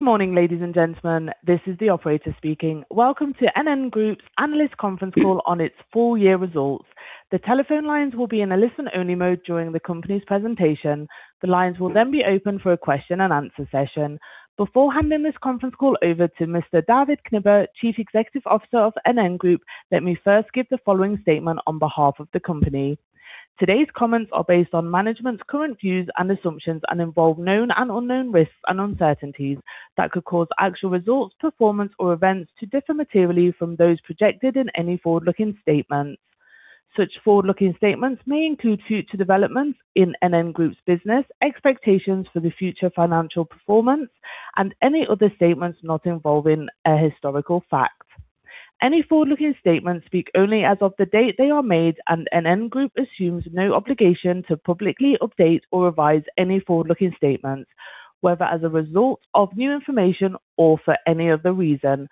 Good morning, ladies and gentlemen, this is the operator speaking. Welcome to NN Group's Analyst Conference Call on its Full Year Results. The telephone lines will be in a listen-only mode during the company's presentation. The lines will then be open for a question and answer session. Beforehand, in this conference call over to Mr. David Knibbe, Chief Executive Officer of NN Group, let me first give the following statement on behalf of the company. Today's comments are based on management's current views and assumptions and involve known and unknown risks and uncertainties that could cause actual results, performance, or events to differ materially from those projected in any forward-looking statements. Such forward-looking statements may include future developments in NN Group's business, expectations for the future financial performance, and any other statements not involving a historical fact. Any forward-looking statements speak only as of the date they are made, and NN Group assumes no obligation to publicly update or revise any forward-looking statements, whether as a result of new information or for any other reason.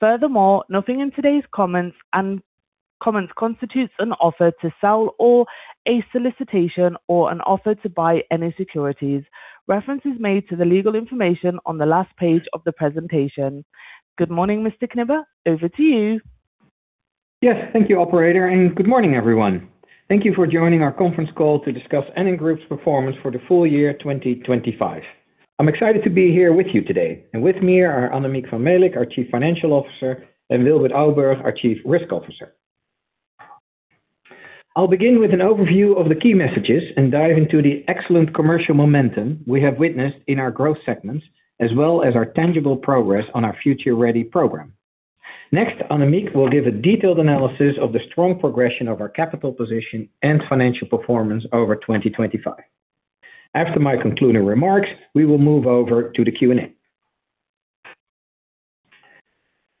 Furthermore, nothing in today's comments and comments constitutes an offer to sell or a solicitation or an offer to buy any securities. Reference is made to the legal information on the last page of the presentation. Good morning, Mr. Knibbe. Over to you. Yes, thank you, operator, and good morning, everyone. Thank you for joining our conference call to discuss NN Group's Performance for the Full Year 2025. I'm excited to be here with you today, and with me are Annemiek van Melick, our Chief Financial Officer, and Wilbert Ouburg, our Chief Risk Officer. I'll begin with an overview of the key messages and dive into the excellent commercial momentum we have witnessed in our growth segments, as well as our tangible progress on our Future Ready program. Next, Annemiek will give a detailed analysis of the strong progression of our capital position and financial performance over 2025. After my concluding remarks, we will move over to the Q&A.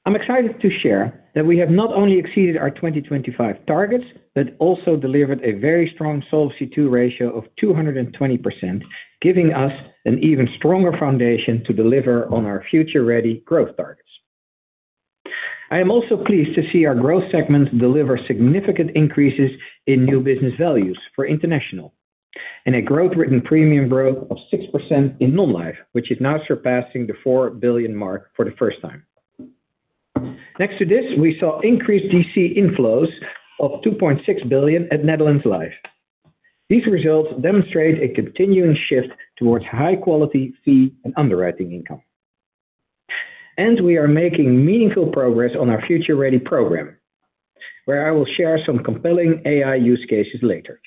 I'm excited to share that we have not only exceeded our 2025 targets, but also delivered a very strong Solvency II ratio of 220%, giving us an even stronger foundation to deliver on our Future Ready growth targets. I am also pleased to see our growth segment deliver significant increases in new business values for international, and a growth-written premium growth of 6% in non-life, which is now surpassing the 4 billion mark for the first time. Next to this, we saw increased DC inflows of 2.6 billion at Netherlands Life. These results demonstrate a continuing shift towards high quality fee and underwriting income. And we are making meaningful progress on our Future Ready program, where I will share some compelling AI use cases later.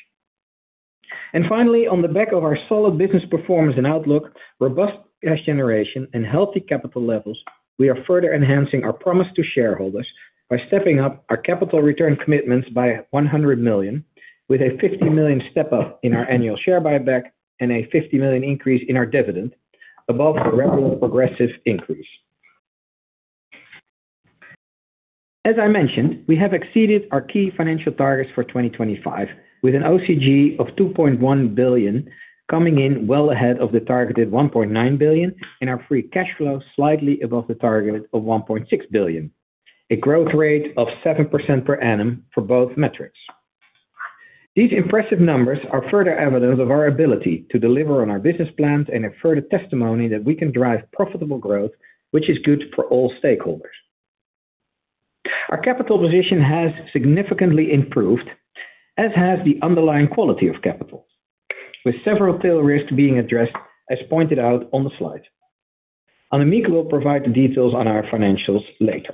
And finally, on the back of our solid business performance and outlook, robust cash generation, and healthy capital levels, we are further enhancing our promise to shareholders by stepping up our capital return commitments by 100 million, with a 50 million step-up in our annual share buyback and a 50 million increase in our dividend above the regular progressive increase. As I mentioned, we have exceeded our key financial targets for 2025, with an OCG of 2.1 billion coming in well ahead of the targeted 1.9 billion, and our free cash flow slightly above the target of 1.6 billion, a growth rate of 7% per annum for both metrics. These impressive numbers are further evidence of our ability to deliver on our business plans and a further testimony that we can drive profitable growth, which is good for all stakeholders. Our capital position has significantly improved, as has the underlying quality of capital, with several tail risks being addressed, as pointed out on the slide. Annemiek will provide the details on our financials later.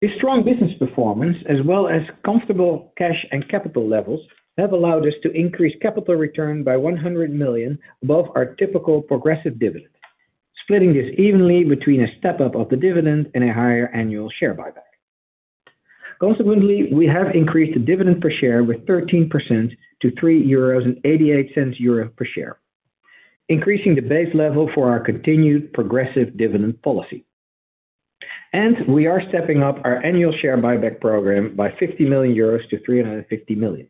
The strong business performance, as well as comfortable cash and capital levels, have allowed us to increase capital return by 100 million above our typical progressive dividend, splitting this evenly between a step-up of the dividend and a higher annual share buyback. Consequently, we have increased the dividend per share with 13% to 3.88 euros per share, increasing the base level for our continued progressive dividend policy. We are stepping up our annual share buyback program by 50 million-350 million euros.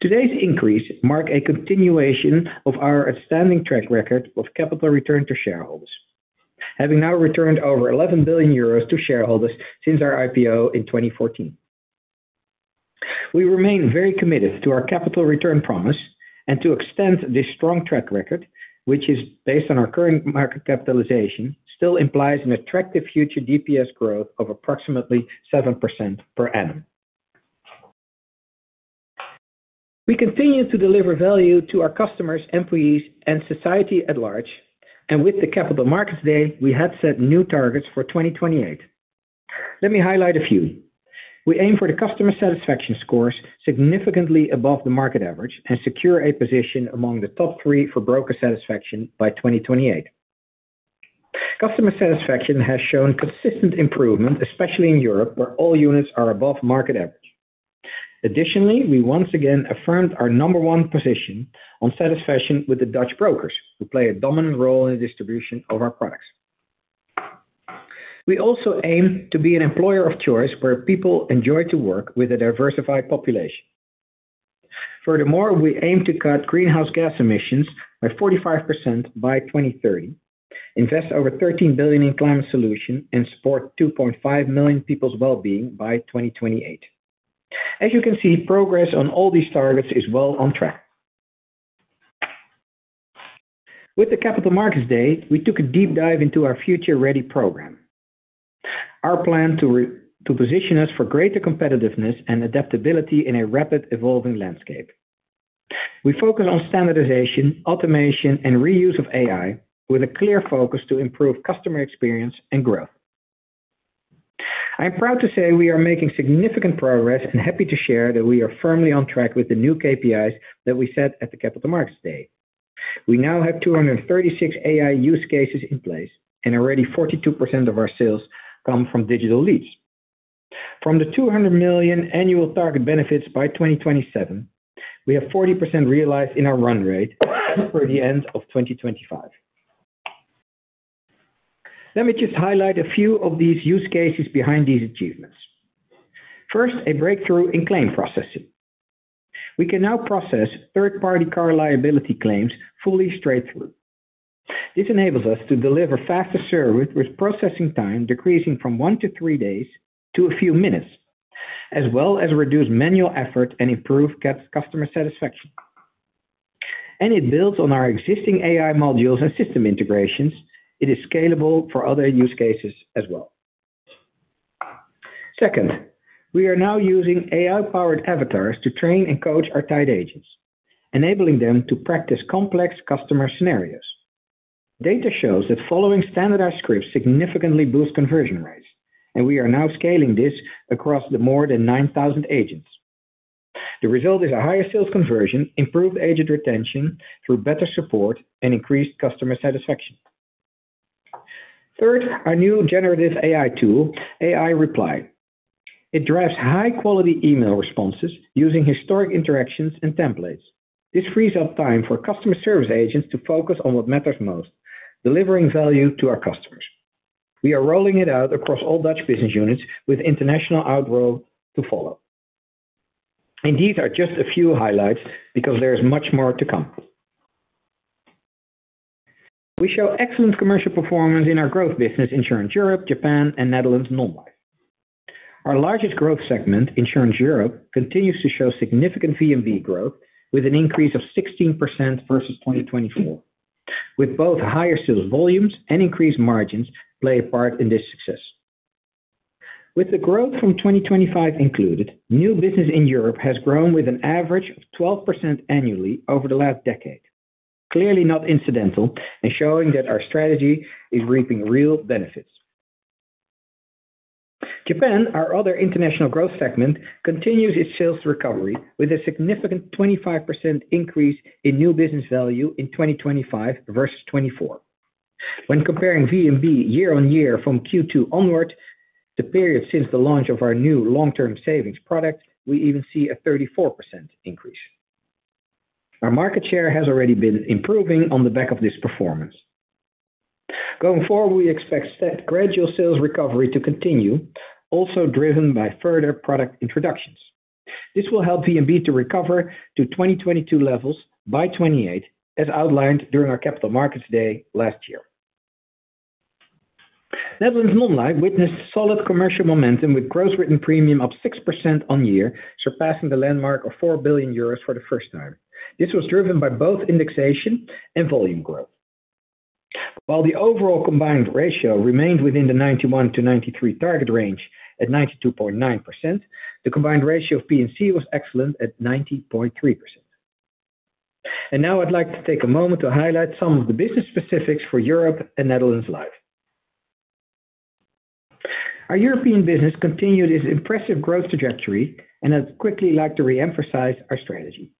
Today's increase marks a continuation of our outstanding track record of capital return to shareholders, having now returned over 11 billion euros to shareholders since our IPO in 2014. We remain very committed to our capital return promise and to extend this strong track record, which is based on our current market capitalization, still implies an attractive future DPS growth of approximately 7% per annum. We continue to deliver value to our customers, employees, and society at large, and with the Capital Markets Day, we have set new targets for 2028. Let me highlight a few. We aim for the customer satisfaction scores significantly above the market average and secure a position among the top three for broker satisfaction by 2028. Customer satisfaction has shown consistent improvement, especially in Europe, where all units are above market average. Additionally, we once again affirmed our number one position on satisfaction with the Dutch brokers, who play a dominant role in the distribution of our products. We also aim to be an employer of choice where people enjoy to work with a diversified population. Furthermore, we aim to cut greenhouse gas emissions by 45% by 2030, invest over 13 billion in climate solution, and support 2.5 million people's well-being by 2028. As you can see, progress on all these targets is well on track. With the Capital Markets Day, we took a deep dive into our Future Ready program. Our plan to position us for greater competitiveness and adaptability in a rapid evolving landscape. We focus on standardization, automation, and reuse of AI, with a clear focus to improve customer experience and growth. I'm proud to say we are making significant progress and happy to share that we are firmly on track with the new KPIs that we set at the Capital Markets Day. We now have 236 AI use cases in place, and already 42% of our sales come from digital leads. From the 200 million annual target benefits by 2027, we have 40% realized in our run rate for the end of 2025. Let me just highlight a few of these use cases behind these achievements. First, a breakthrough in claim processing. We can now process third-party car liability claims fully straight through. This enables us to deliver faster service, with processing time decreasing from one to three days to a few minutes, as well as reduce manual effort and improve customer satisfaction. It builds on our existing AI modules and system integrations. It is scalable for other use cases as well. Second, we are now using AI-powered avatars to train and coach our tied agents, enabling them to practice complex customer scenarios. Data shows that following standardized scripts significantly boost conversion rates, and we are now scaling this across the more than 9,000 agents. The result is a higher sales conversion, improved agent retention through better support, and increased customer satisfaction. Third, our new generative AI tool, AI Reply. It drafts high-quality email responses using historic interactions and templates. This frees up time for customer service agents to focus on what matters most, delivering value to our customers. We are rolling it out across all Dutch business units with international rollout to follow. These are just a few highlights because there is much more to come. We show excellent commercial performance in our growth business, Insurance Europe, Japan, and Netherlands Non-Life. Our largest growth segment, Insurance Europe, continues to show significant VNB growth, with an increase of 16% versus 2024, with both higher sales volumes and increased margins play a part in this success. With the growth from 2025 included, new business in Europe has grown with an average of 12% annually over the last decade. Clearly not incidental, and showing that our strategy is reaping real benefits. Japan, our other international growth segment, continues its sales recovery with a significant 25% increase in new business value in 2025 versus 2024. When comparing VNB year-on-year from Q2 onward, the period since the launch of our new long-term savings product, we even see a 34% increase. Our market share has already been improving on the back of this performance. Going forward, we expect gradual sales recovery to continue, also driven by further product introductions. This will help VNB to recover to 2022 levels by 2028, as outlined during our Capital Markets Day last year. Netherlands Non-Life witnessed solid commercial momentum, with gross written premium up 6% on year, surpassing the landmark of 4 billion euros for the first time. This was driven by both indexation and volume growth. While the overall combined ratio remained within the 91%-93% target range at 92.9%, the combined ratio of P&C was excellent at 90.3%. And now I'd like to take a moment to highlight some of the business specifics for Europe and Netherlands Life. Our European business continued its impressive growth trajectory, and I'd quickly like to reemphasize our strategy.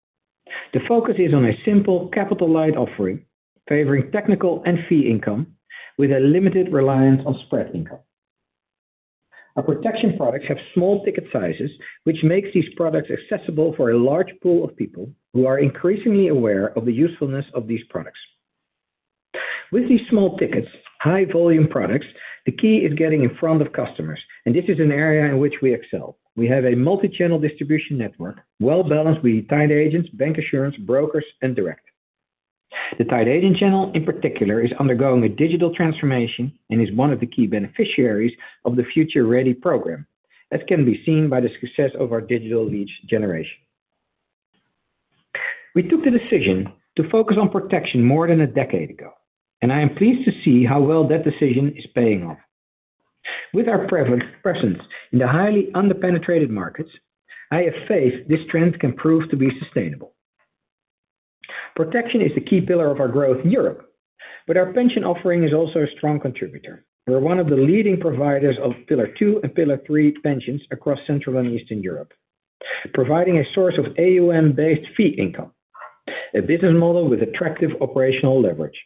The focus is on a simple capital-light offering, favoring technical and fee income, with a limited reliance on spread income. Our protection products have small ticket sizes, which makes these products accessible for a large pool of people who are increasingly aware of the usefulness of these products. With these small tickets, high volume products, the key is getting in front of customers, and this is an area in which we excel. We have a multi-channel distribution network, well balanced with tied agents, bancassurance, brokers, and direct. The tied agent channel, in particular, is undergoing a digital transformation and is one of the key beneficiaries of the Future Ready program, as can be seen by the success of our digital leads generation. We took the decision to focus on protection more than a decade ago, and I am pleased to see how well that decision is paying off. With our presence in the highly underpenetrated markets, I have faith this trend can prove to be sustainable. Protection is the key pillar of our growth in Europe, but our pension offering is also a strong contributor. We're one of the leading providers of pillar two and pillar three pensions across Central and Eastern Europe, providing a source of AUM-based fee income, a business model with attractive operational leverage.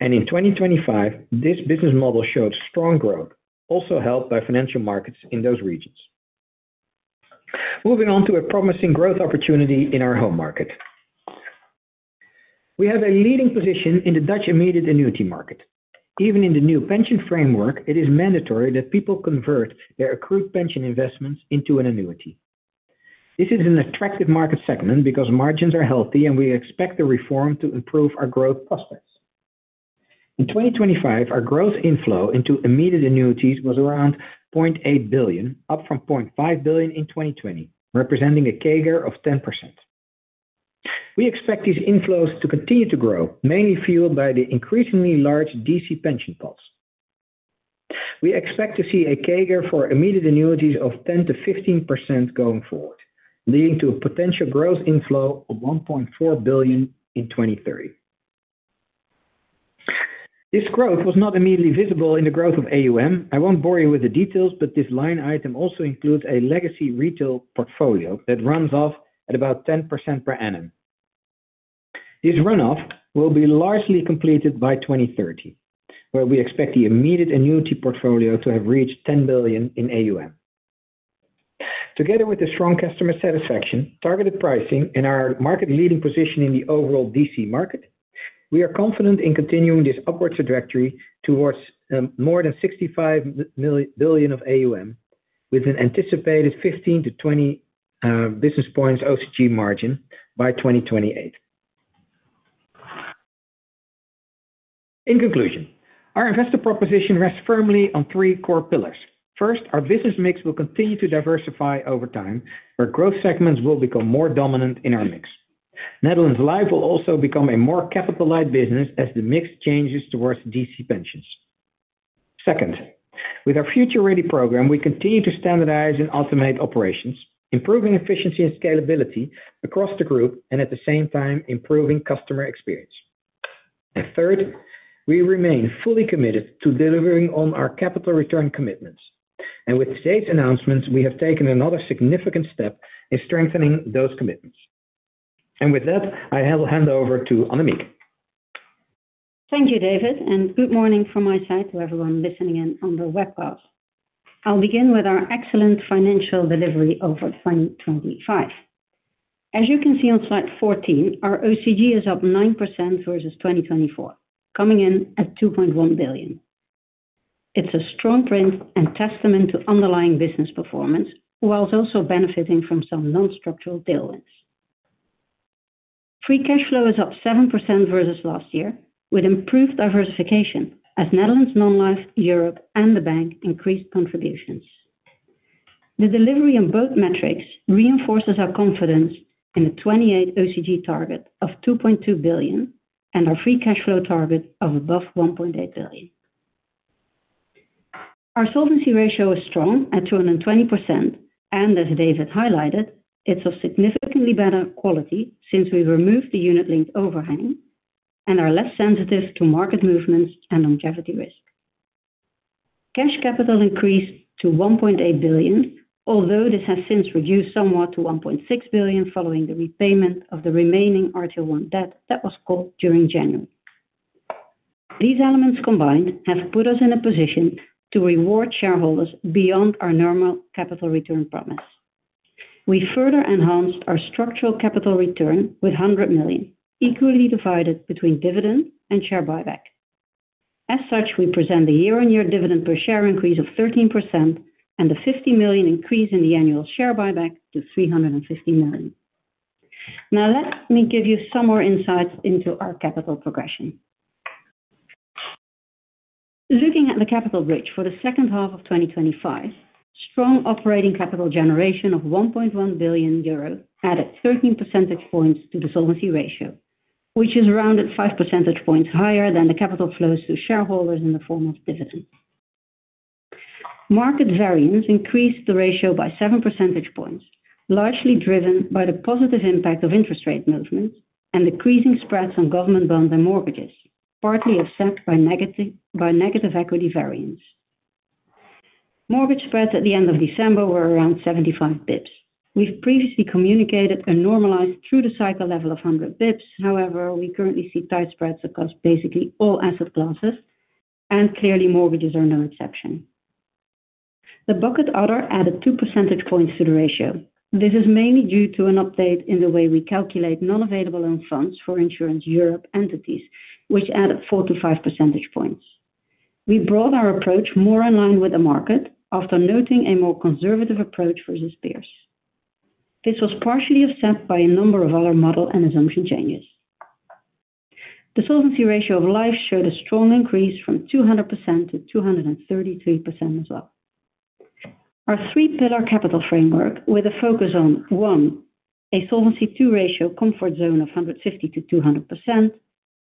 In 2025, this business model showed strong growth, also helped by financial markets in those regions. Moving on to a promising growth opportunity in our home market. We have a leading position in the Dutch immediate annuity market. Even in the new pension framework, it is mandatory that people convert their accrued pension investments into an annuity. This is an attractive market segment because margins are healthy and we expect the reform to improve our growth prospects. In 2025, our growth inflow into immediate annuities was around 0.8 billion, up from 0.5 billion in 2020, representing a CAGR of 10%. We expect these inflows to continue to grow, mainly fueled by the increasingly large DC pension pots. We expect to see a CAGR for immediate annuities of 10%-15% going forward, leading to a potential growth inflow of 1.4 billion in 2030. This growth was not immediately visible in the growth of AUM. I won't bore you with the details, but this line item also includes a legacy retail portfolio that runs off at about 10% per annum. This runoff will be largely completed by 2030, where we expect the immediate annuity portfolio to have reached 10 billion in AUM. Together with the strong customer satisfaction, targeted pricing, and our market-leading position in the overall DC market, we are confident in continuing this upwards trajectory towards more than 65 billion of AUM, with an anticipated 15-20 basis points OCG margin by 2028. In conclusion, our investor proposition rests firmly on three core pillars. First, our business mix will continue to diversify over time, where growth segments will become more dominant in our mix. Netherlands Life will also become a more capital-light business as the mix changes towards DC pensions. Second, with our Future Ready program, we continue to standardize and automate operations, improving efficiency and scalability across the group and at the same time, improving customer experience. And third, we remain fully committed to delivering on our capital return commitments, and with today's announcements, we have taken another significant step in strengthening those commitments. And with that, I will hand over to Annemiek. Thank you, David, and good morning from my side to everyone listening in on the webcast. I'll begin with our excellent financial delivery over 2025. As you can see on slide 14, our OCG is up 9% versus 2024, coming in at 2.1 billion. It's a strong print and testament to underlying business performance, while also benefiting from some non-structural tailwinds. Free cash flow is up 7% versus last year, with improved diversification as Netherlands Non-Life, Europe and the bank increased contributions. The delivery on both metrics reinforces our confidence in the 2028 OCG target of 2.2 billion and our free cash flow target of above 1.8 billion. Our solvency ratio is strong at 220%, and as David highlighted, it's of significantly better quality since we removed the unit-linked overhang and are less sensitive to market movements and longevity risk. Cash capital increased to 1.8 billion, although this has since reduced somewhat to 1.6 billion following the repayment of the remaining RT1 debt that was called during January. These elements combined have put us in a position to reward shareholders beyond our normal capital return promise. We further enhanced our structural capital return with 100 million, equally divided between dividend and share buyback. As such, we present a year-on-year dividend per share increase of 13% and a 50 million increase in the annual share buyback to 350 million. Now, let me give you some more insights into our capital progression. Looking at the capital bridge for the second half of 2025, strong operating capital generation of 1.1 billion euros added 13 percentage points to the solvency ratio, which is around at 5 percentage points higher than the capital flows to shareholders in the form of dividends. Market variance increased the ratio by 7 percentage points, largely driven by the positive impact of interest rate movements and decreasing spreads on government bonds and mortgages, partly offset by negative, by negative equity variance. Mortgage spreads at the end of December were around 75 basis points. We've previously communicated a normalized through the cycle level of 100 basis points. However, we currently see tight spreads across basically all asset classes, and clearly, mortgages are no exception. The bucket other added 2 percentage points to the ratio. This is mainly due to an update in the way we calculate non-available own funds for Insurance Europe entities, which added 4-5 percentage points. We brought our approach more in line with the market after noting a more conservative approach versus peers. This was partially offset by a number of other model and assumption changes. The solvency ratio of Life showed a strong increase from 200% to 233% as well. Our three-pillar capital framework, with a focus on, one, a Solvency II ratio comfort zone of 150%-200%.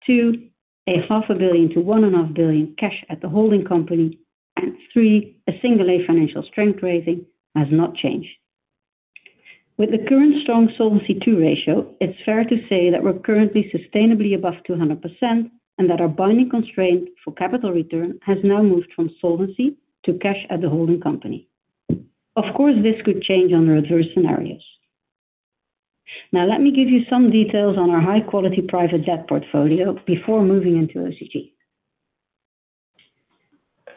Two, 0.5 billion-1.5 billion cash at the holding company. And three, a single A financial strength rating has not changed. With the current strong Solvency II ratio, it's fair to say that we're currently sustainably above 200%, and that our binding constraint for capital return has now moved from solvency to cash at the holding company. Of course, this could change under adverse scenarios. Now, let me give you some details on our high-quality private debt portfolio before moving into OCG.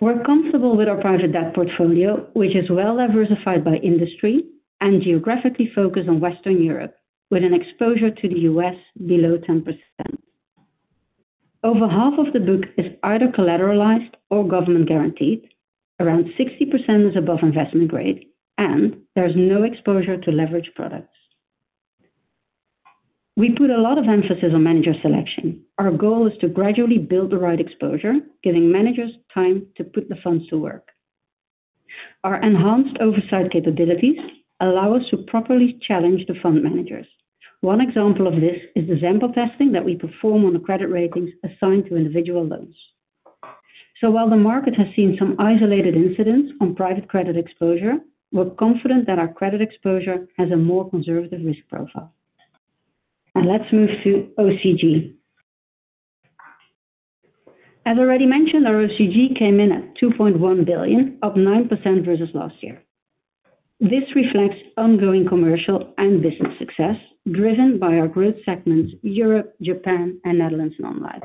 We're comfortable with our private debt portfolio, which is well diversified by industry and geographically focused on Western Europe, with an exposure to the U.S. below 10%. Over half of the book is either collateralized or government guaranteed. Around 60% is above investment grade, and there's no exposure to leverage products. We put a lot of emphasis on manager selection. Our goal is to gradually build the right exposure, giving managers time to put the funds to work. Our enhanced oversight capabilities allow us to properly challenge the fund managers. One example of this is the sample testing that we perform on the credit ratings assigned to individual loans. So while the market has seen some isolated incidents on private credit exposure, we're confident that our credit exposure has a more conservative risk profile. Now let's move to OCG. As already mentioned, our OCG came in at 2.1 billion, up 9% versus last year. This reflects ongoing commercial and business success, driven by our growth segments Europe, Japan, and Netherlands Non-Life.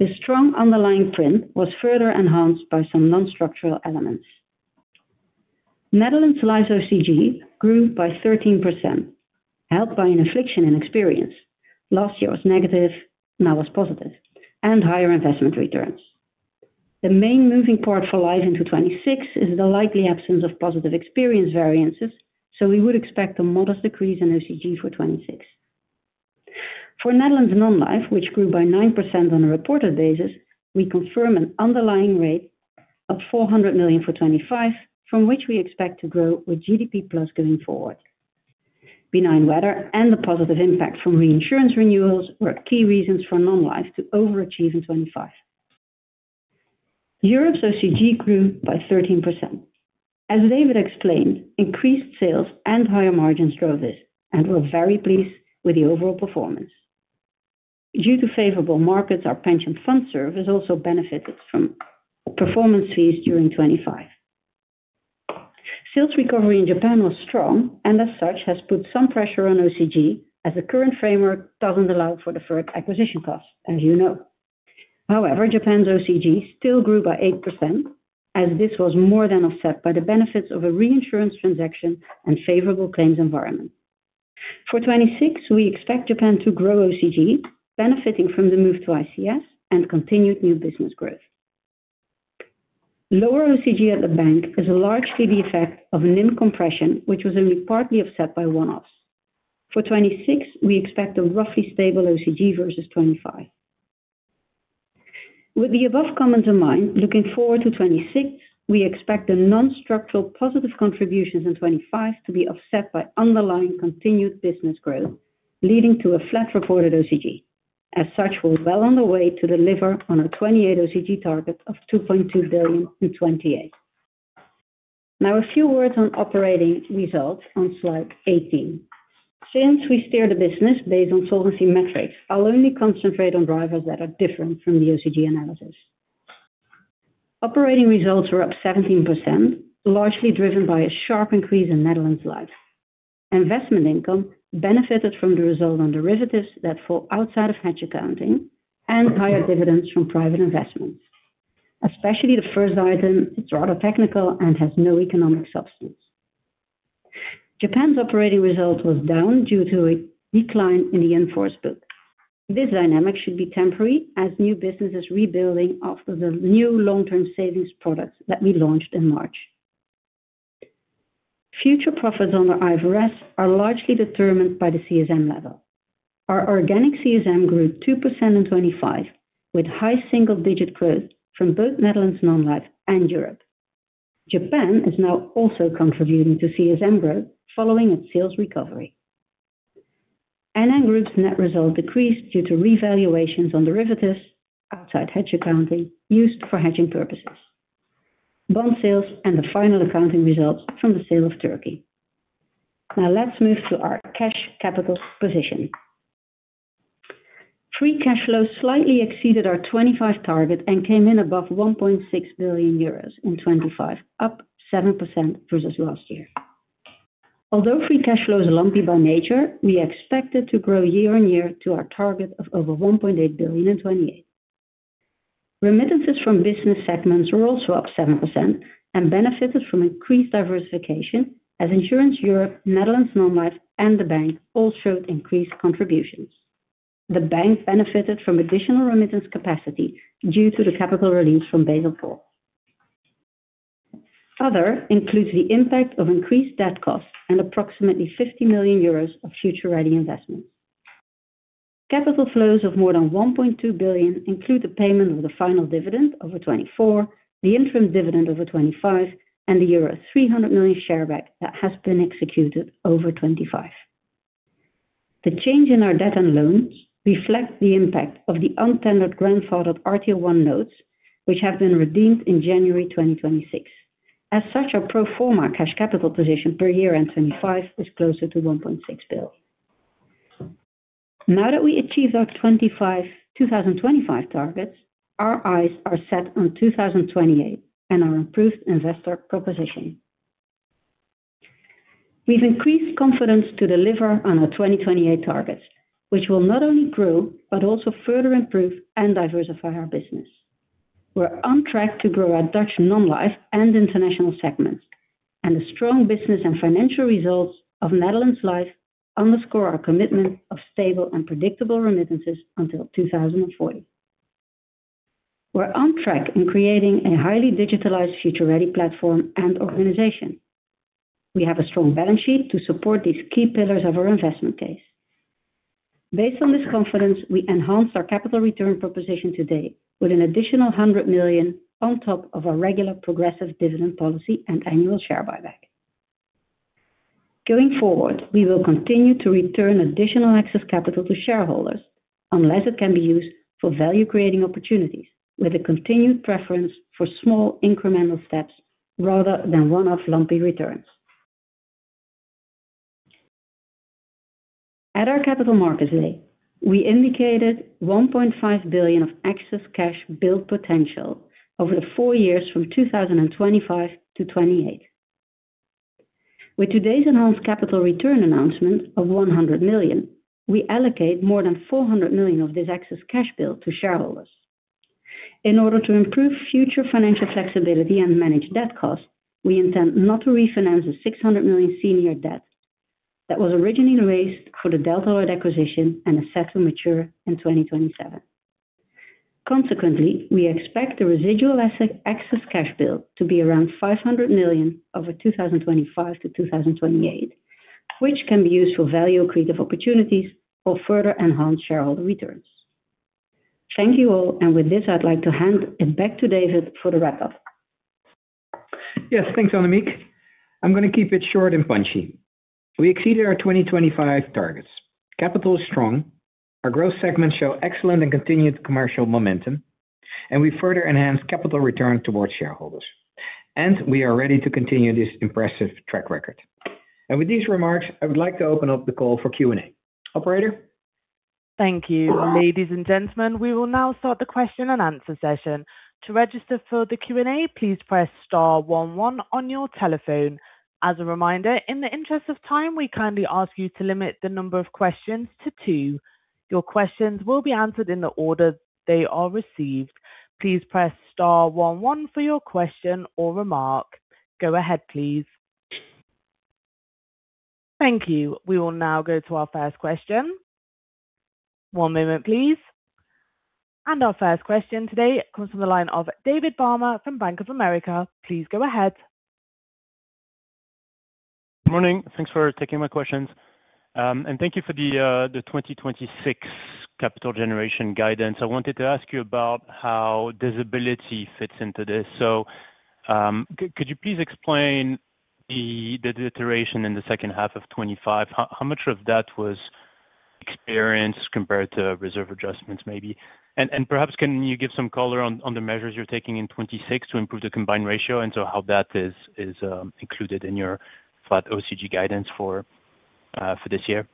The strong underlying trend was further enhanced by some non-structural elements. Netherlands Life OCG grew by 13%, helped by a change in experience. Last year was negative, now is positive, and higher investment returns. The main moving part for life into 2026 is the likely absence of positive experience variances, so we would expect a modest decrease in OCG for 2026. For Netherlands Non-Life, which grew by 9% on a reported basis, we confirm an underlying rate of 400 million for 2025, from which we expect to grow with GDP plus going forward. Benign weather and the positive impact from reinsurance renewals were key reasons for Non-Life to overachieve in 2025. Europe's OCG grew by 13%. As David explained, increased sales and higher margins drove this, and we're very pleased with the overall performance. Due to favorable markets, our pension fund service also benefited from performance fees during 2025. Sales recovery in Japan was strong and as such, has put some pressure on OCG, as the current framework doesn't allow for deferred acquisition costs, as you know. However, Japan's OCG still grew by 8%, as this was more than offset by the benefits of a reinsurance transaction and favorable claims environment. For 2026, we expect Japan to grow OCG, benefiting from the move to ICS and continued new business growth. Lower OCG at the bank is a large CD effect of NIM compression, which was only partly offset by one-offs. For 2026, we expect a roughly stable OCG versus 2025. With the above comments in mind, looking forward to 2026, we expect the non-structural positive contributions in 2025 to be offset by underlying continued business growth, leading to a flat reported OCG. As such, we're well on the way to deliver on our 2028 OCG target of 2.2 billion in 2028. Now, a few words on operating results on slide 18. Since we steer the business based on solvency metrics, I'll only concentrate on drivers that are different from the OCG analysis. Operating results are up 17%, largely driven by a sharp increase in Netherlands Life. Investment income benefited from the result on derivatives that fall outside of hedge accounting and higher dividends from private investments. Especially the first item, it's rather technical and has no economic substance. Japan's operating result was down due to a decline in the in-force book. This dynamic should be temporary as new business is rebuilding after the new long-term savings products that we launched in March. Future profits on the IFRS are largely determined by the CSM level. Our organic CSM grew 2% in 2025, with high single-digit growth from both Netherlands Non-Life and Europe. Japan is now also contributing to CSM growth following its sales recovery. NN Group's net result decreased due to revaluations on derivatives outside hedge accounting used for hedging purposes, bond sales, and the final accounting results from the sale of Turkey. Now let's move to our cash capital position. Free Cash Flow slightly exceeded our 2025 target and came in above 1.6 billion euros in 2025, up 7% versus last year. Although Free Cash Flow is lumpy by nature, we expect it to grow year-on-year to our target of over 1.8 billion in 2028. Remittances from business segments were also up 7% and benefited from increased diversification as Insurance Europe, Netherlands Non-Life, and the bank all showed increased contributions. The bank benefited from additional remittance capacity due to the capital release from Basel IV. Other includes the impact of increased debt costs and approximately 50 million euros of Future Ready investment. Capital flows of more than 1.2 billion include the payment of the final dividend over 2024, the interim dividend over 2025, and the euro 300 million share back that has been executed over 2025. The change in our debt and loans reflect the impact of the unintended grandfathered RT1 notes, which have been redeemed in January 2026. As such, our pro forma cash capital position per year-end 2025 is closer to 1.6 billion. Now that we achieved our 2025 targets, our eyes are set on 2028 and our improved investor proposition. We've increased confidence to deliver on our 2028 targets, which will not only grow, but also further improve and diversify our business. We're on track to grow our Netherlands Non-Life and international segments, and the strong business and financial results of Netherlands Life underscore our commitment of stable and predictable remittances until 2040. We're on track in creating a highly digitalized, future-ready platform and organization. We have a strong balance sheet to support these key pillars of our investment case. Based on this confidence, we enhanced our capital return proposition today with an additional 100 million on top of our regular progressive dividend policy and annual share buyback. Going forward, we will continue to return additional excess capital to shareholders, unless it can be used for value-creating opportunities, with a continued preference for small incremental steps rather than one-off lumpy returns. At our Capital Markets Day, we indicated 1.5 billion of excess cash build potential over the four years from 2025-2028. With today's enhanced capital return announcement of 100 million, we allocate more than 400 million of this excess cash build to shareholders. In order to improve future financial flexibility and manage debt costs, we intend not to refinance the 600 million senior debt that was originally raised for the Delta Lloyd acquisition and is set to mature in 2027. Consequently, we expect the residual asset excess cash build to be around 500 million over 2025-2028, which can be used for value creative opportunities or further enhanced shareholder returns. Thank you all. And with this, I'd like to hand it back to David for the wrap-up. Yes, thanks, Annemiek. I'm gonna keep it short and punchy. We exceeded our 2025 targets. Capital is strong, our growth segments show excellent and continued commercial momentum, and we further enhance capital return toward shareholders. We are ready to continue this impressive track record. With these remarks, I would like to open up the call for Q&A. Operator? Thank you. Ladies and gentlemen, we will now start the question and answer session. To register for the Q&A, please press star one one on your telephone. As a reminder, in the interest of time, we kindly ask you to limit the number of questions to two. Your questions will be answered in the order they are received. Please press star one one for your question or remark. Go ahead, please. Thank you. We will now go to our first question. One moment, please. Our first question today comes from the line of David Barma from Bank of America. Please go ahead. Good morning. Thanks for taking my questions. And thank you for the 2026 capital generation guidance. I wanted to ask you about how disability fits into this. So, could you please explain the deterioration in the second half of 2025? How much of that was experienced compared to reserve adjustments, maybe? And perhaps can you give some color on the measures you're taking in 2026 to improve the Combined Ratio, and so how that is included in your flat OCG guidance for this year?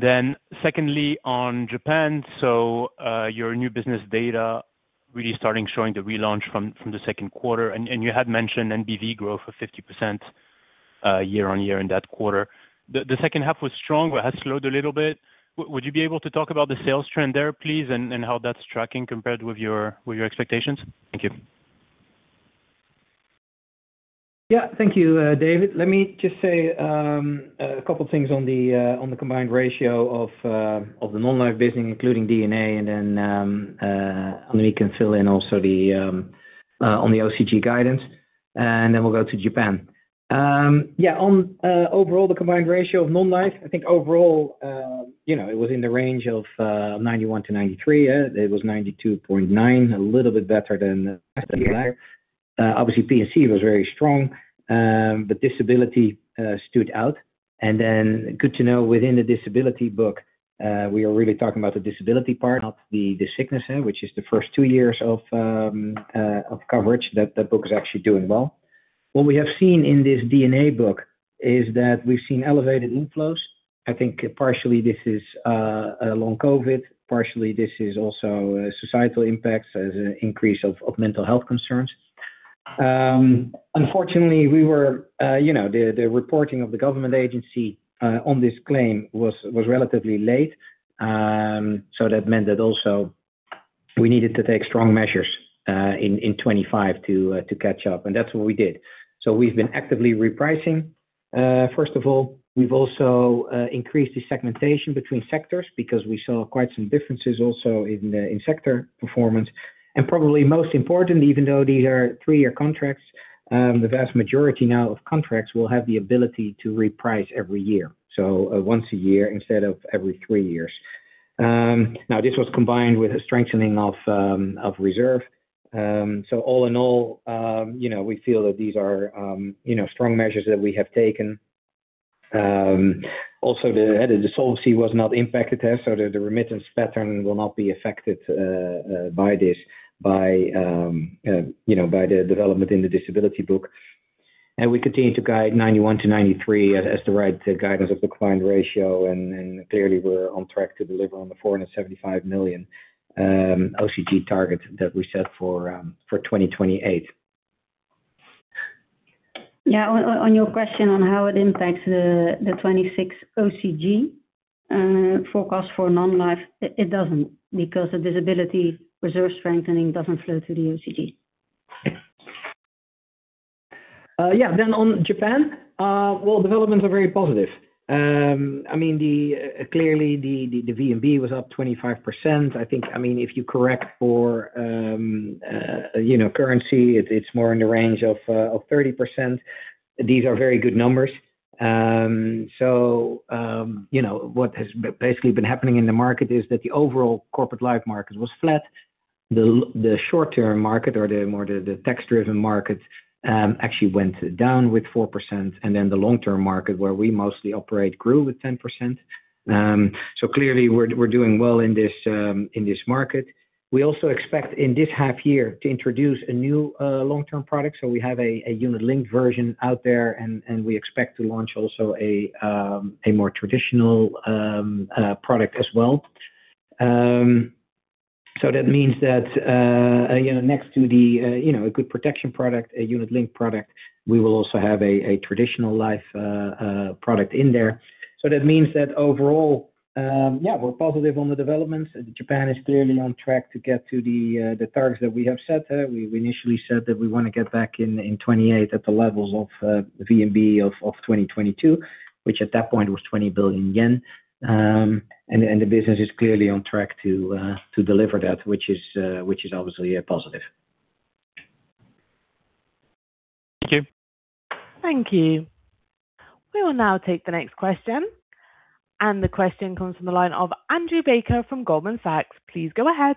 Then secondly, on Japan. So, your new business data really starting showing the relaunch from the second quarter, and you had mentioned NBV growth of 50% year-on-year in that quarter. The second half was strong, but has slowed a little bit. Would you be able to talk about the sales trend there, please, and how that's tracking compared with your expectations? Thank you. Yeah. Thank you, David. Let me just say a couple of things on the combined ratio of the non-life business, including D&A, and then Annemiek can fill in also on the OCG guidance, and then we'll go to Japan. Yeah, overall, the combined ratio of non-life, I think overall, you know, it was in the range of 91%-93%. It was 92.9%, a little bit better than last year. Obviously, P&C was very strong, but disability stood out. And then good to know within the disability book, we are really talking about the disability part, not the sickness, which is the first two years of coverage. That, the book is actually doing well. What we have seen in this D&A book is that we've seen elevated inflows. I think partially this is long COVID, partially this is also societal impacts, as an increase of mental health concerns. Unfortunately, we were, you know, the reporting of the government agency on this claim was relatively late. So that meant that also we needed to take strong measures in 25 to catch up, and that's what we did. So we've been actively repricing. First of all, we've also increased the segmentation between sectors because we saw quite some differences also in sector performance. And probably most important, even though these are three-year contracts, the vast majority now of contracts will have the ability to reprice every year, so once a year instead of every three years. Now this was combined with a strengthening of reserve. So all in all, you know, we feel that these are, you know, strong measures that we have taken. Also, the solvency was not impacted there, so the remittance pattern will not be affected by this, by you know, by the development in the disability book. And we continue to guide 91%-93% as the right guidance of the Combined Ratio, and clearly, we're on track to deliver on the 475 million OCG target that we set for 2028. Yeah. On your question on how it impacts the 2026 OCG forecast for non-life, it doesn't, because the disability reserve strengthening doesn't flow through the OCG.... Yeah, then on Japan, well, developments are very positive. I mean, clearly the VNB was up 25%. I think, I mean, if you correct for, you know, currency, it's more in the range of 30%. These are very good numbers. So, you know, what has basically been happening in the market is that the overall corporate life market was flat. The short-term market or the more tax-driven market actually went down 4%, and then the long-term market, where we mostly operate, grew 10%. So clearly, we're doing well in this market. We also expect in this half year to introduce a new long-term product. So we have a unit-linked version out there, and we expect to launch also a more traditional product as well. So that means that, you know, next to the, you know, a good protection product, a unit-linked product, we will also have a traditional life product in there. So that means that overall, yeah, we're positive on the developments, and Japan is clearly on track to get to the targets that we have set there. We initially said that we want to get back in 2028 at the levels of VNB of 2022, which at that point was 20 billion yen. And the business is clearly on track to deliver that, which is obviously a positive. Thank you. Thank you. We will now take the next question, and the question comes from the line of Andrew Baker from Goldman Sachs. Please go ahead.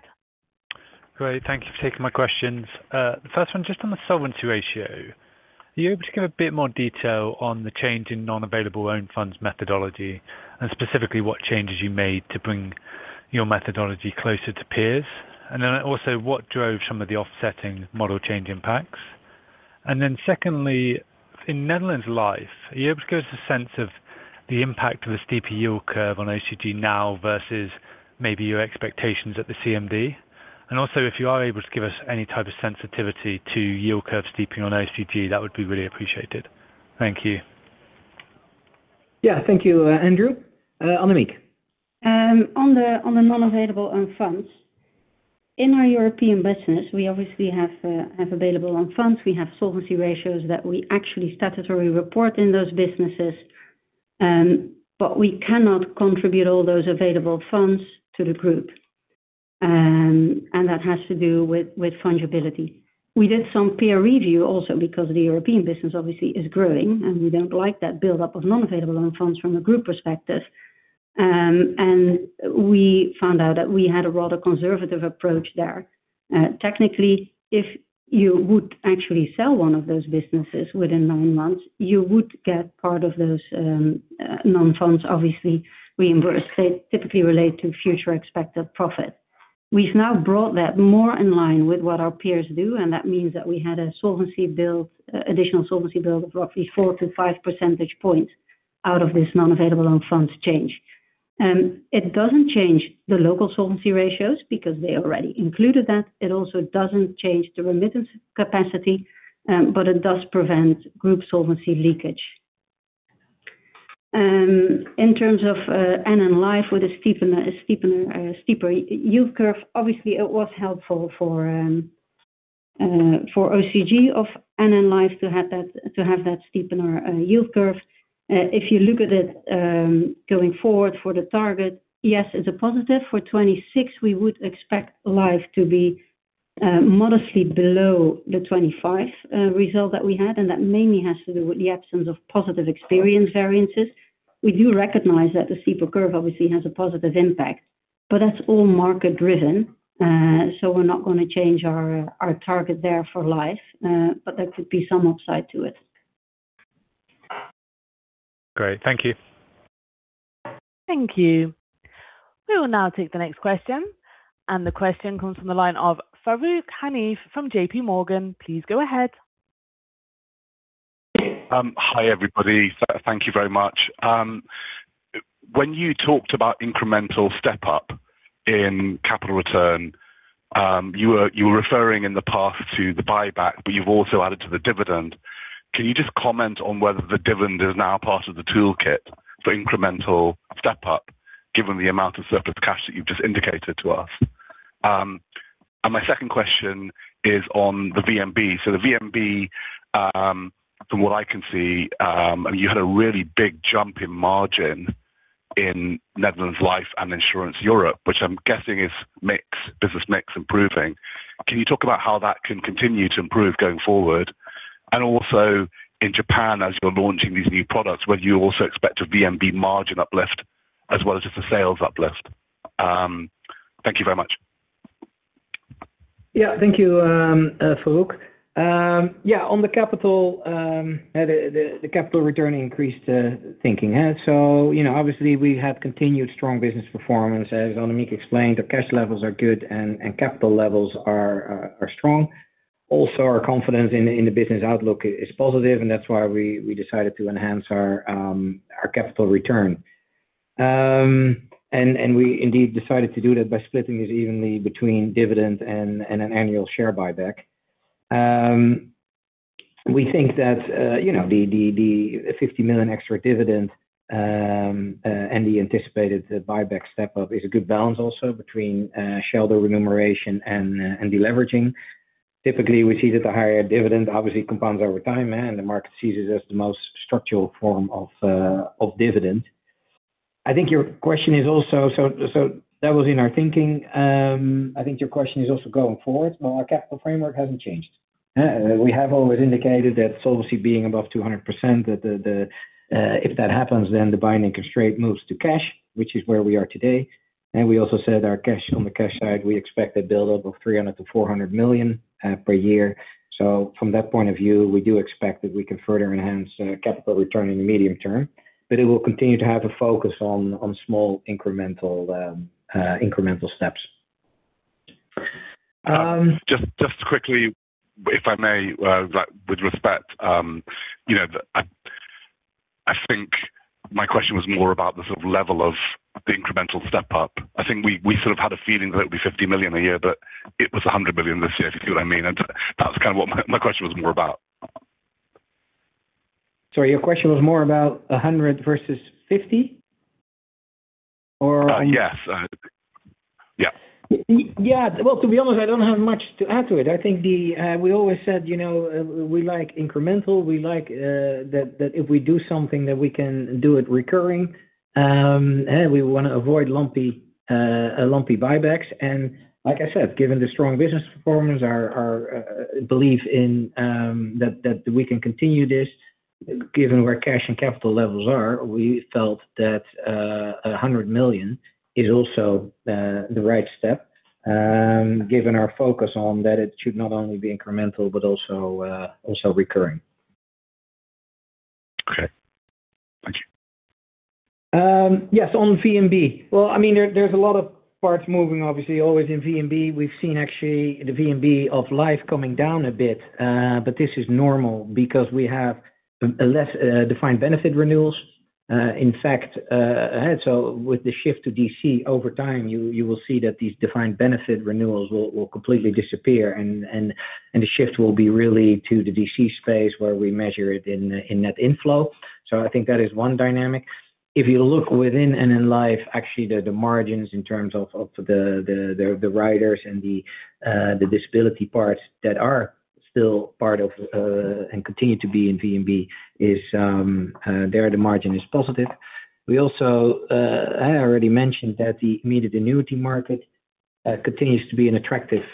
Great, thank you for taking my questions. The first one, just on the solvency ratio. Are you able to give a bit more detail on the change in non-available own funds methodology, and specifically, what changes you made to bring your methodology closer to peers? And then also, what drove some of the offsetting model change impacts. And then secondly, in Netherlands Life, are you able to give us a sense of the impact of a steeper yield curve on OCG now versus maybe your expectations at the CMD? And also, if you are able to give us any type of sensitivity to yield curve steepening on OCG, that would be really appreciated. Thank you. Yeah. Thank you, Andrew. Annemiek. On the non-available own funds in our European business, we obviously have available own funds. We have solvency ratios that we actually statutorily report in those businesses, but we cannot contribute all those available funds to the group. That has to do with fungibility. We did some peer review also because the European business obviously is growing, and we don't like that build-up of non-available own funds from a group perspective. We found out that we had a rather conservative approach there. Technically, if you would actually sell one of those businesses within nine months, you would get part of those non-funds. Obviously, we inverse, they typically relate to future expected profit. We've now brought that more in line with what our peers do, and that means that we had a solvency build, additional solvency build of roughly 4-5 percentage points out of this non-available own funds change. It doesn't change the local solvency ratios because they already included that. It also doesn't change the remittance capacity, but it does prevent group solvency leakage. In terms of NN Life with a steeper yield curve, obviously it was helpful for OCG of NN Life to have that steeper yield curve. If you look at it, going forward for the target, yes, it's a positive. For 2026, we would expect Life to be modestly below the 2025 result that we had, and that mainly has to do with the absence of positive experience variances. We do recognize that the steeper curve obviously has a positive impact, but that's all market driven. So we're not gonna change our target there for Life, but there could be some upside to it. Great. Thank you. Thank you. We will now take the next question, and the question comes from the line of Farooq Hanif from JPMorgan. Please go ahead. Hi, everybody. Thank you very much. When you talked about incremental step up in capital return, you were referring in the past to the buyback, but you've also added to the dividend. Can you just comment on whether the dividend is now part of the toolkit for incremental step up, given the amount of surplus cash that you've just indicated to us? And my second question is on the VNB. So the VNB, from what I can see, and you had a really big jump in margin in Netherlands Life and Insurance Europe, which I'm guessing is mix, business mix improving. Can you talk about how that can continue to improve going forward? And also in Japan, as you're launching these new products, whether you also expect a VNB margin uplift as well as just a sales uplift. Thank you very much. Yeah, thank you, Farooq. Yeah, on the capital, yeah, the capital return increased. And so, you know, obviously, we have continued strong business performance. As Annemiek explained, the cash levels are good and capital levels are strong. Also, our confidence in the business outlook is positive, and that's why we decided to enhance our capital return. And we indeed decided to do that by splitting it evenly between dividend and an annual share buyback. We think that, you know, the 50 million extra dividend and the anticipated buyback step-up is a good balance also between shareholder remuneration and deleveraging. Typically, we see that the higher dividend obviously compounds over time, and the market sees it as the most structural form of dividend. I think your question is also, so that was in our thinking. I think your question is also going forward. Well, our capital framework hasn't changed. We have always indicated that solvency being above 200%, that if that happens, then the binding constraint moves to cash, which is where we are today. And we also said our cash, on the cash side, we expect a buildup of 300 million-400 million per year. So from that point of view, we do expect that we can further enhance capital return in the medium term, but it will continue to have a focus on small incremental steps. Just quickly, if I may, with respect, you know, I think my question was more about the sort of level of the incremental step up. I think we sort of had a feeling that it would be 50 million a year, but it was 100 million this year, if you see what I mean? And that's kind of what my question was more about. Sorry, your question was more about 100 versus 50? Or- Yes. Yeah. Yeah. Well, to be honest, I don't have much to add to it. I think we always said, you know, we like incremental, we like that if we do something that we can do it recurring. And we wanna avoid lumpy buybacks. And like I said, given the strong business performance, our belief in that we can continue this, given where cash and capital levels are, we felt that 100 million is also the right step, given our focus on that it should not only be incremental but also recurring. Okay. Thank you. Yes, on VNB. Well, I mean, there's a lot of parts moving, obviously, always in VNB. We've seen actually the VNB of life coming down a bit, but this is normal because we have a less defined benefit renewals. In fact, so with the shift to DC over time, you will see that these defined benefit renewals will completely disappear, and the shift will be really to the DC space, where we measure it in net inflow. So I think that is one dynamic. If you look within and in life, actually, the margins in terms of the riders and the disability parts that are still part of and continue to be in VNB is, there, the margin is positive. We also, I already mentioned that the Immediate Annuity market continues to be an attractive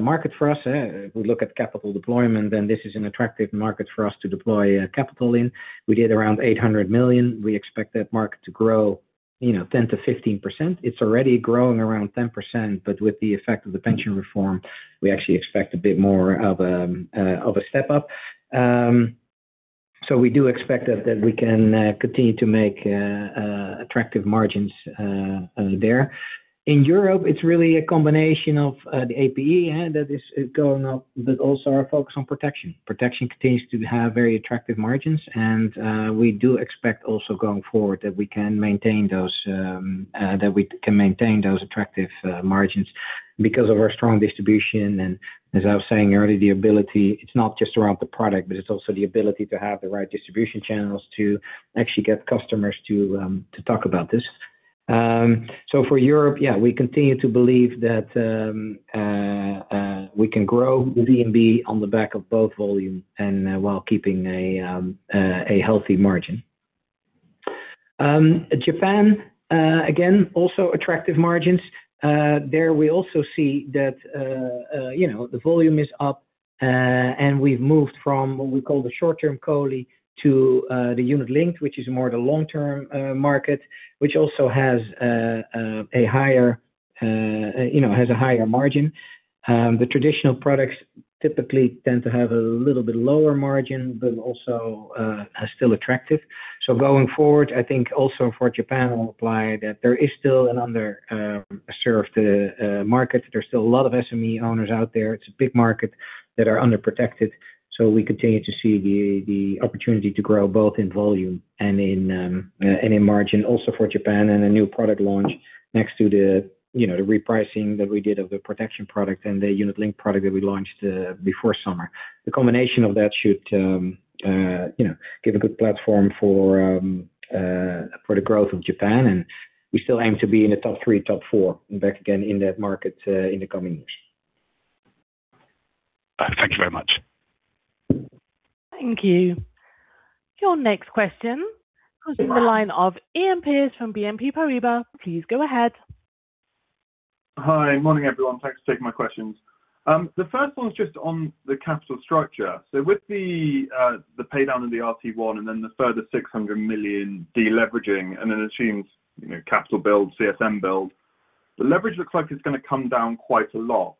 market for us. If we look at capital deployment, then this is an attractive market for us to deploy capital in. We did around 800 million. We expect that market to grow, you know, 10%-15%. It's already growing around 10%, but with the effect of the pension reform, we actually expect a bit more of a step up. So we do expect that we can continue to make attractive margins there. In Europe, it's really a combination of the APE, and that is going up, but also our focus on protection. Protection continues to have very attractive margins, and we do expect also going forward that we can maintain those attractive margins because of our strong distribution. And as I was saying earlier, the ability. It's not just around the product, but it's also the ability to have the right distribution channels to actually get customers to talk about this. So for Europe, yeah, we continue to believe that we can grow the VNB on the back of both volume and while keeping a healthy margin. Japan, again, also attractive margins. There we also see that, you know, the volume is up, and we've moved from what we call the short-term COLI to the unit linked, which is more the long-term market, which also has a higher, you know, has a higher margin. The traditional products typically tend to have a little bit lower margin, but also are still attractive. So going forward, I think also for Japan will apply, that there is still an underserved market. There's still a lot of SME owners out there, it's a big market, that are underprotected. So we continue to see the opportunity to grow both in volume and in margin also for Japan. A new product launch next to the, you know, the repricing that we did of the protection product and the unit link product that we launched before summer. The combination of that should, you know, give a good platform for the growth of Japan, and we still aim to be in the top three, top four, and back again in that market in the coming years. Thank you very much. Thank you. Your next question comes from the line of Iain Pearce from BNP Paribas. Please go ahead. Hi, morning, everyone. Thanks for taking my questions. The first one is just on the capital structure. So with the, the pay down in the RT1, and then the further 600 million deleveraging, and then assumes, you know, capital build, CSM build, the leverage looks like it's gonna come down quite a lot.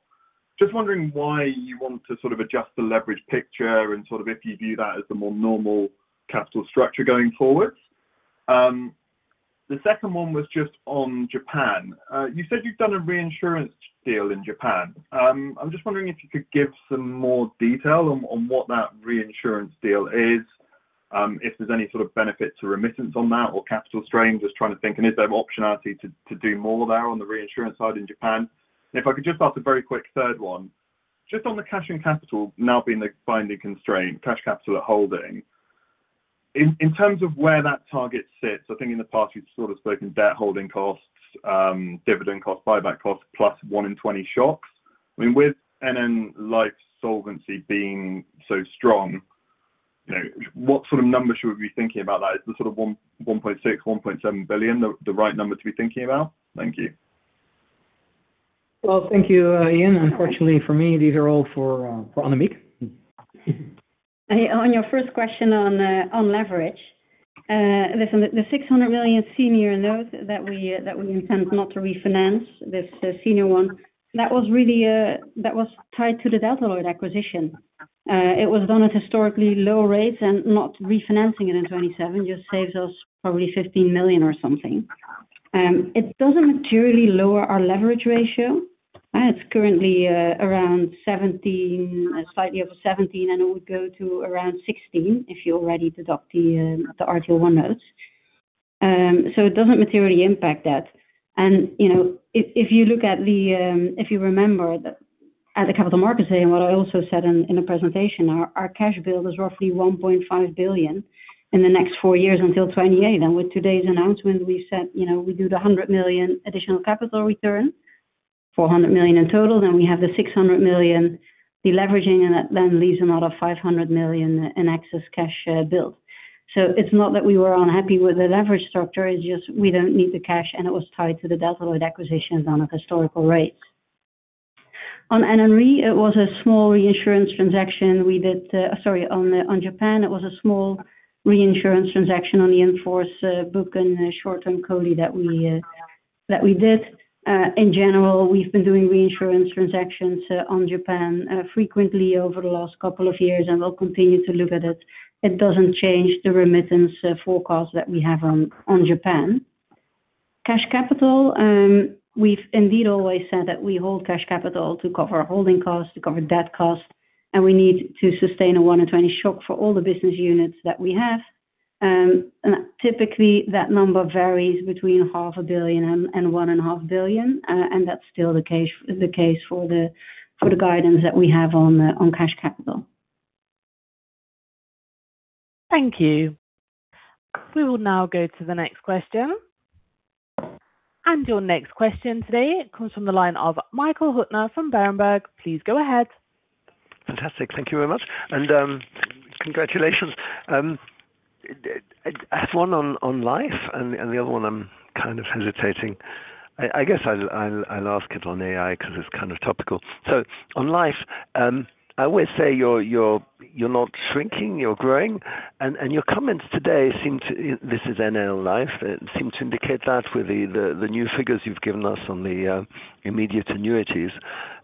Just wondering why you want to sort of adjust the leverage picture and sort of if you view that as the more normal capital structure going forward? The second one was just on Japan. You said you've done a reinsurance deal in Japan. I'm just wondering if you could give some more detail on, on what that reinsurance deal is, if there's any sort of benefit to remittance on that or capital strain. Just trying to think, is there optionality to do more there on the reinsurance side in Japan? If I could just ask a very quick third one. Just on the cash and capital now being the binding constraint, cash and capital are holding. In terms of where that target sits, I think in the past you've sort of spoken debt holding costs, dividend cost, buyback costs, plus one in twenty shocks. I mean, with Netherlands Life solvency being so strong, you know, what sort of numbers should we be thinking about that? Is it sort of 1 billion, 1.6 billion, 1.7 billion, the right number to be thinking about? Thank you. Well, thank you, Ian. Unfortunately, for me, these are all for Annemiek. On your first question on leverage. Listen, the 600 million senior note that we intend not to refinance, this senior one, that was really that was tied to the Delta Lloyd acquisition. It was done at historically low rates, and not refinancing it in 2027 just saves us probably 15 million or something. It doesn't materially lower our leverage ratio. It's currently around 17, slightly over 17, and it would go to around 16 if you already deduct the RT1 notes. So it doesn't materially impact that. And, you know, if you look at the if you remember at the Capital Markets Day, and what I also said in the presentation, our cash build is roughly 1.5 billion in the next four years until 2028. With today's announcement, we said, you know, we do the 100 million additional capital return, 400 million in total. Then we have the 600 million deleveraging, and that then leaves another 500 million in excess cash build. So it's not that we were unhappy with the leverage structure, it's just we don't need the cash, and it was tied to the Delta Lloyd acquisition done at historical rates. On NN Re, it was a small reinsurance transaction we did, sorry, on the, on Japan, it was a small reinsurance transaction on the in-force book and short-term quota that we did. In general, we've been doing reinsurance transactions on Japan frequently over the last couple of years, and we'll continue to look at it. It doesn't change the remittance forecast that we have on Japan. Cash capital, we've indeed always said that we hold cash capital to cover our holding costs, to cover debt costs, and we need to sustain a 1-in-20 shock for all the business units that we have. Typically, that number varies between 0.5 billion and 1.5 billion, and that's still the case for the guidance that we have on cash capital. Thank you. We will now go to the next question. Your next question today comes from the line of Michael Huttner from Berenberg. Please go ahead. Fantastic. Thank you very much. Congratulations. I have one on life, and the other one I'm kind of hesitating. I guess I'll ask it on AI because it's kind of topical. So on life, I always say you're not shrinking, you're growing. And your comments today seem to, this is NN Life, indicate that with the new figures you've given us on the immediate annuities.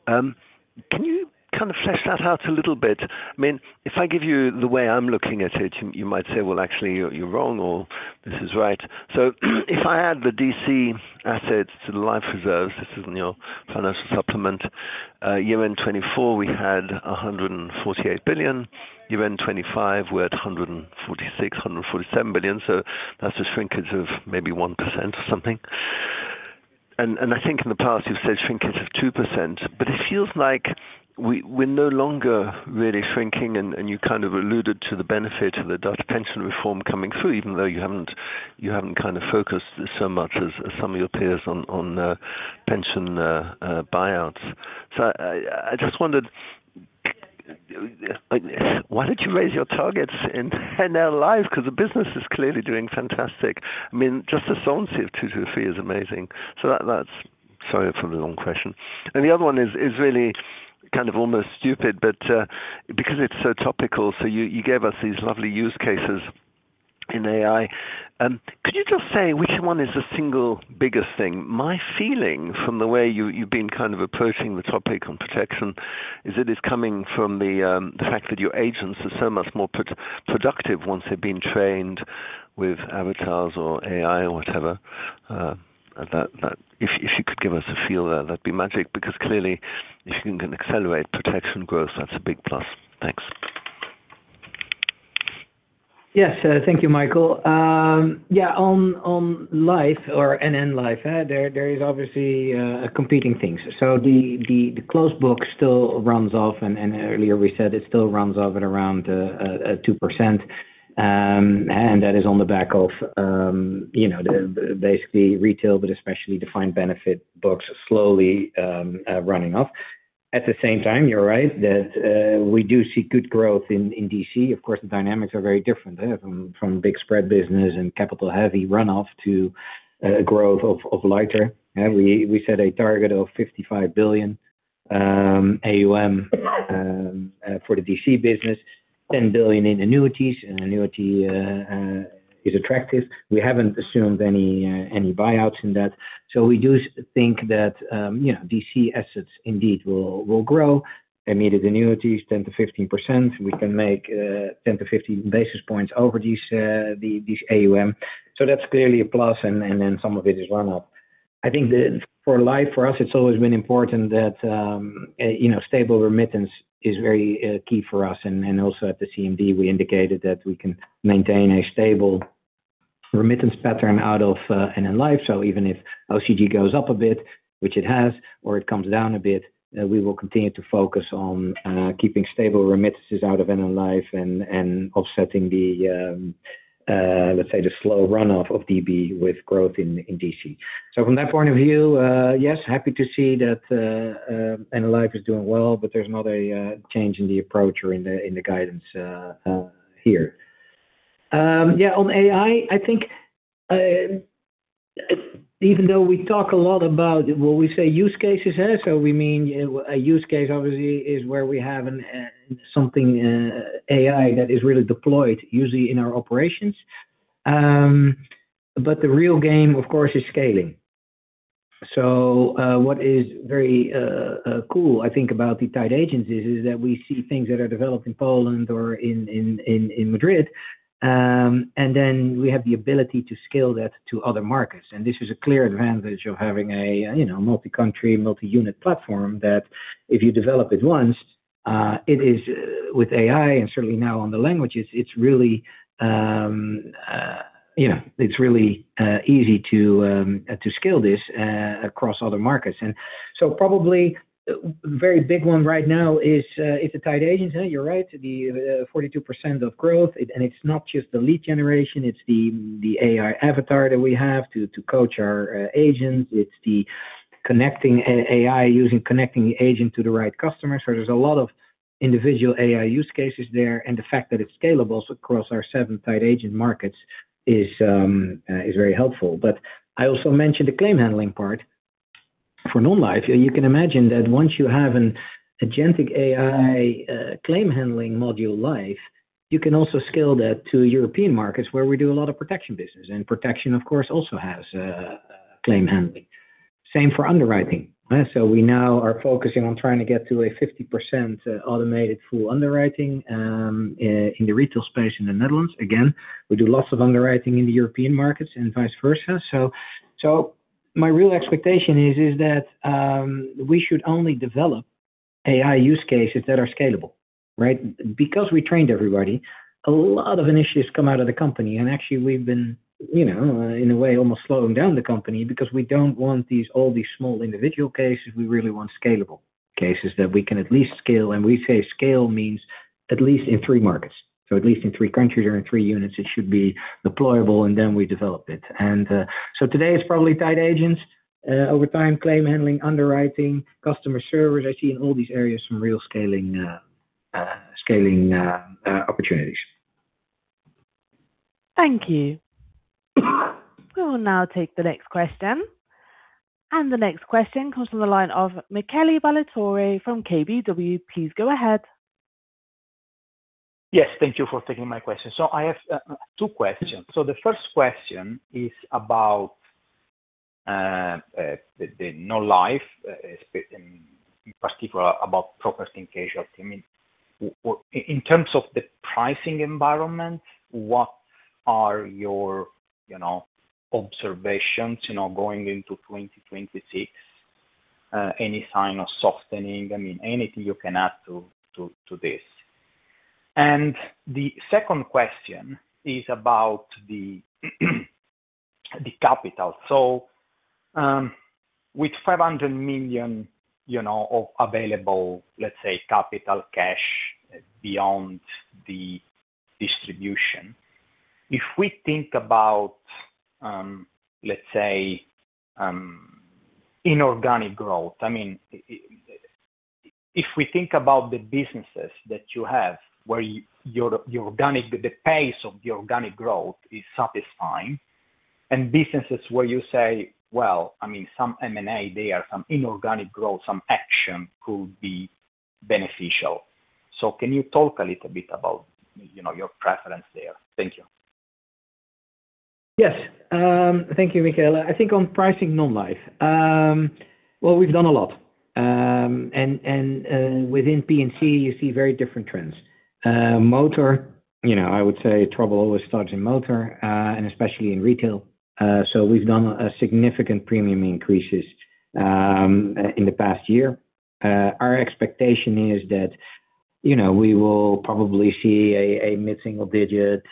Can you kind of flesh that out a little bit? I mean, if I give you the way I'm looking at it, you might say, "Well, actually, you're wrong," or, "This is right." So if I add the DC assets to the life reserves, this is in your financial supplement, year-end 2024, we had 148 billion. Year-end 2025, we're at 146-147 billion. So that's a shrinkage of maybe 1% or something. And I think in the past, you've said shrinkage of 2%, but it feels like we're no longer really shrinking, and you kind of alluded to the benefit of the Dutch pension reform coming through, even though you haven't kind of focused so much as some of your peers on pension buyouts. So I just wondered why did you raise your targets in NN Life? Because the business is clearly doing fantastic. I mean, just the solvency of 2-3 is amazing. So that's... Sorry for the long question. And the other one is really kind of almost stupid, but because it's so topical, so you gave us these lovely use cases in AI. Could you just say which one is the single biggest thing? My feeling from the way you've been kind of approaching the topic on protection is that it's coming from the fact that your agents are so much more productive once they've been trained with avatars or AI or whatever. That, if you could give us a feel, that would be magic, because clearly if you can accelerate protection growth, that's a big plus. Thanks. Yes, thank you, Michael. Yeah, on life or NN Life, there is obviously competing things. So the closed book still runs off, and earlier we said it still runs off at around 2%. And that is on the back of, you know, the basically retail, but especially defined benefit books slowly running off. At the same time, you're right, that we do see good growth in DC. Of course, the dynamics are very different, from big spread business and capital-heavy runoff to growth of lighter. And we set a target of 55 billion AUM for the DC business, 10 billion in annuities, and annuity is attractive. We haven't assumed any buyouts in that. So we do think that, you know, DC assets indeed will grow. Immediate annuities, 10%-15%. We can make ten to fifteen basis points over these AUM. So that's clearly a plus, and then some of it is run off. I think that for life, for us, it's always been important that, you know, stable remittance is very key for us. And also at the CMD, we indicated that we can maintain a stable remittance pattern out of NN Life. So even if OCG goes up a bit, which it has, or it comes down a bit, we will continue to focus on keeping stable remittances out of NN Life and offsetting the, let's say, the slow runoff of DB with growth in DC. So from that point of view, yes, happy to see that, NN Life [NLife] is doing well, but there's not a change in the approach or in the guidance here. Yeah, on AI, I think, even though we talk a lot about, well, we say use cases, so we mean a use case obviously is where we have an something AI that is really deployed usually in our operations. But the real game, of course, is scaling. So, what is very cool, I think about the tied agencies, is that we see things that are developed in Poland or in Madrid, and then we have the ability to scale that to other markets. This is a clear advantage of having a, you know, multi-country, multi-unit platform, that if you develop it once, it is with AI and certainly now on the languages, it's really, you know, it's really, easy to scale this, across other markets. So probably, very big one right now is the tied agents. You're right, the 42% growth. And it's not just the lead generation, it's the AI avatar that we have to coach our agents. It's the connecting AI, using connecting the agent to the right customer. So there's a lot of individual AI use cases there, and the fact that it's scalable across our 7 tied agent markets is very helpful. But I also mentioned the claim handling part. For non-life, you can imagine that once you have an agentic AI, claim handling module live, you can also scale that to European markets where we do a lot of protection business. And protection, of course, also has, claim handling. Same for underwriting. So we now are focusing on trying to get to a 50% automated full underwriting, in the retail space in the Netherlands. Again, we do lots of underwriting in the European markets and vice versa. So, so my real expectation is, is that, we should only develop AI use cases that are scalable, right? Because we trained everybody, a lot of initiatives come out of the company, and actually we've been, you know, in a way, almost slowing down the company because we don't want these all these small individual cases. We really want scalable cases that we can at least scale. We say scale means at least in three markets. So at least in three countries or in three units, it should be deployable, and then we develop it. So today it's probably tied agents. Over time, claim handling, underwriting, customer service, I see in all these areas some real scaling opportunities. Thank you. We will now take the next question. The next question comes from the line of Michele Ballatore from KBW. Please go ahead. Yes, thank you for taking my question. So I have two questions. So the first question is about the non-life, in particular, about property and casualty. I mean, in terms of the pricing environment, what are your observations, you know, going into 2026? Any sign of softening? I mean, anything you can add to this. And the second question is about the capital. So, with 500 million, you know, available, let's say, capital cash beyond the distribution, if we think about, let's say, inorganic growth, I mean, if we think about the businesses that you have where your organic, the pace of the organic growth is satisfying, and businesses where you say, well, I mean, some M&A, there are some inorganic growth, some action could be beneficial. Can you talk a little bit about, you know, your preference there? Thank you. Yes. Thank you, Michele. I think on pricing non-life. Well, we've done a lot, and, and, within P&C, you see very different trends. Motor, you know, I would say trouble always starts in motor, and especially in retail. So we've done a significant premium increases, in the past year. Our expectation is that, you know, we will probably see a, a mid-single digit,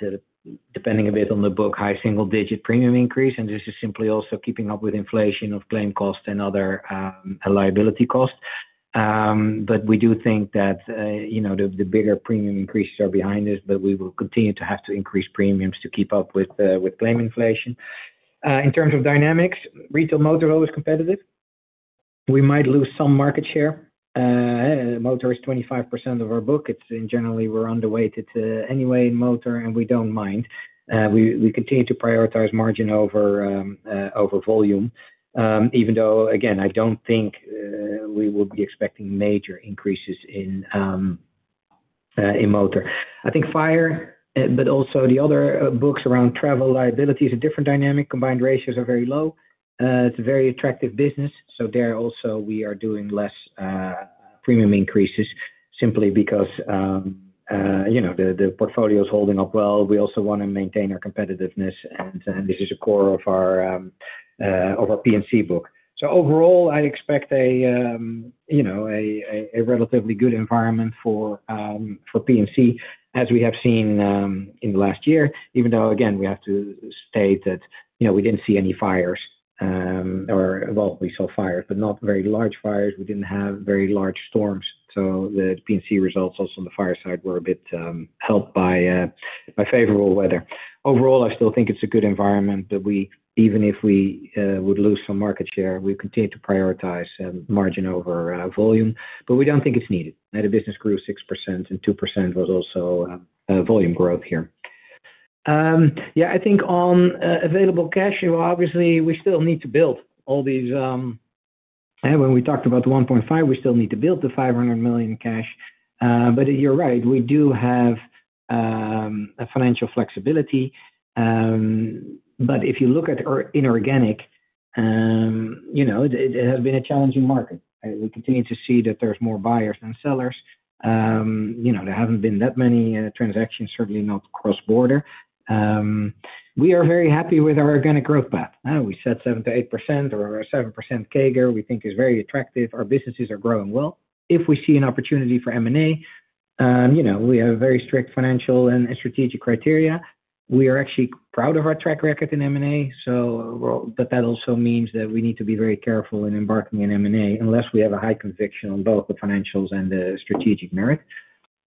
depending a bit on the book, high single digit premium increase, and this is simply also keeping up with inflation of claim costs and other, liability costs. But we do think that, you know, the, the bigger premium increases are behind us, but we will continue to have to increase premiums to keep up with, with claim inflation. In terms of dynamics, retail motor always competitive. We might lose some market share. Motor is 25% of our book. It's generally we're underweight it, anyway, in motor, and we don't mind. We continue to prioritize margin over volume. Even though, again, I don't think we will be expecting major increases in motor. I think fire, but also the other books around travel liability is a different dynamic. Combined ratios are very low. It's a very attractive business, so there also we are doing less premium increases simply because you know, the portfolio is holding up well. We also want to maintain our competitiveness, and this is a core of our P&C book. So overall, I expect a you know a relatively good environment for P&C, as we have seen in the last year, even though, again, we have to state that, you know, we didn't see any fires or well, we saw fires, but not very large fires. We didn't have very large storms, so the P&C results also on the fire side were a bit helped by by favorable weather. Overall, I still think it's a good environment that we even if we would lose some market share, we continue to prioritize margin over volume, but we don't think it's needed. Data business grew 6%, and 2% was also volume growth here. Yeah, I think on available cash, obviously, we still need to build all these, when we talked about the 1.5 billion, we still need to build the 500 million cash. But you're right, we do have a financial flexibility. But if you look at M&A or inorganic, you know, it has been a challenging market. We continue to see that there's more buyers than sellers. You know, there haven't been that many transactions, certainly not cross-border. We are very happy with our organic growth path. I know we said 7%-8% or our 7% CAGR, we think is very attractive. Our businesses are growing well. If we see an opportunity for M&A, you know, we have a very strict financial and strategic criteria. We are actually proud of our track record in M&A, so, well, but that also means that we need to be very careful in embarking in M&A, unless we have a high conviction on both the financials and the strategic merit.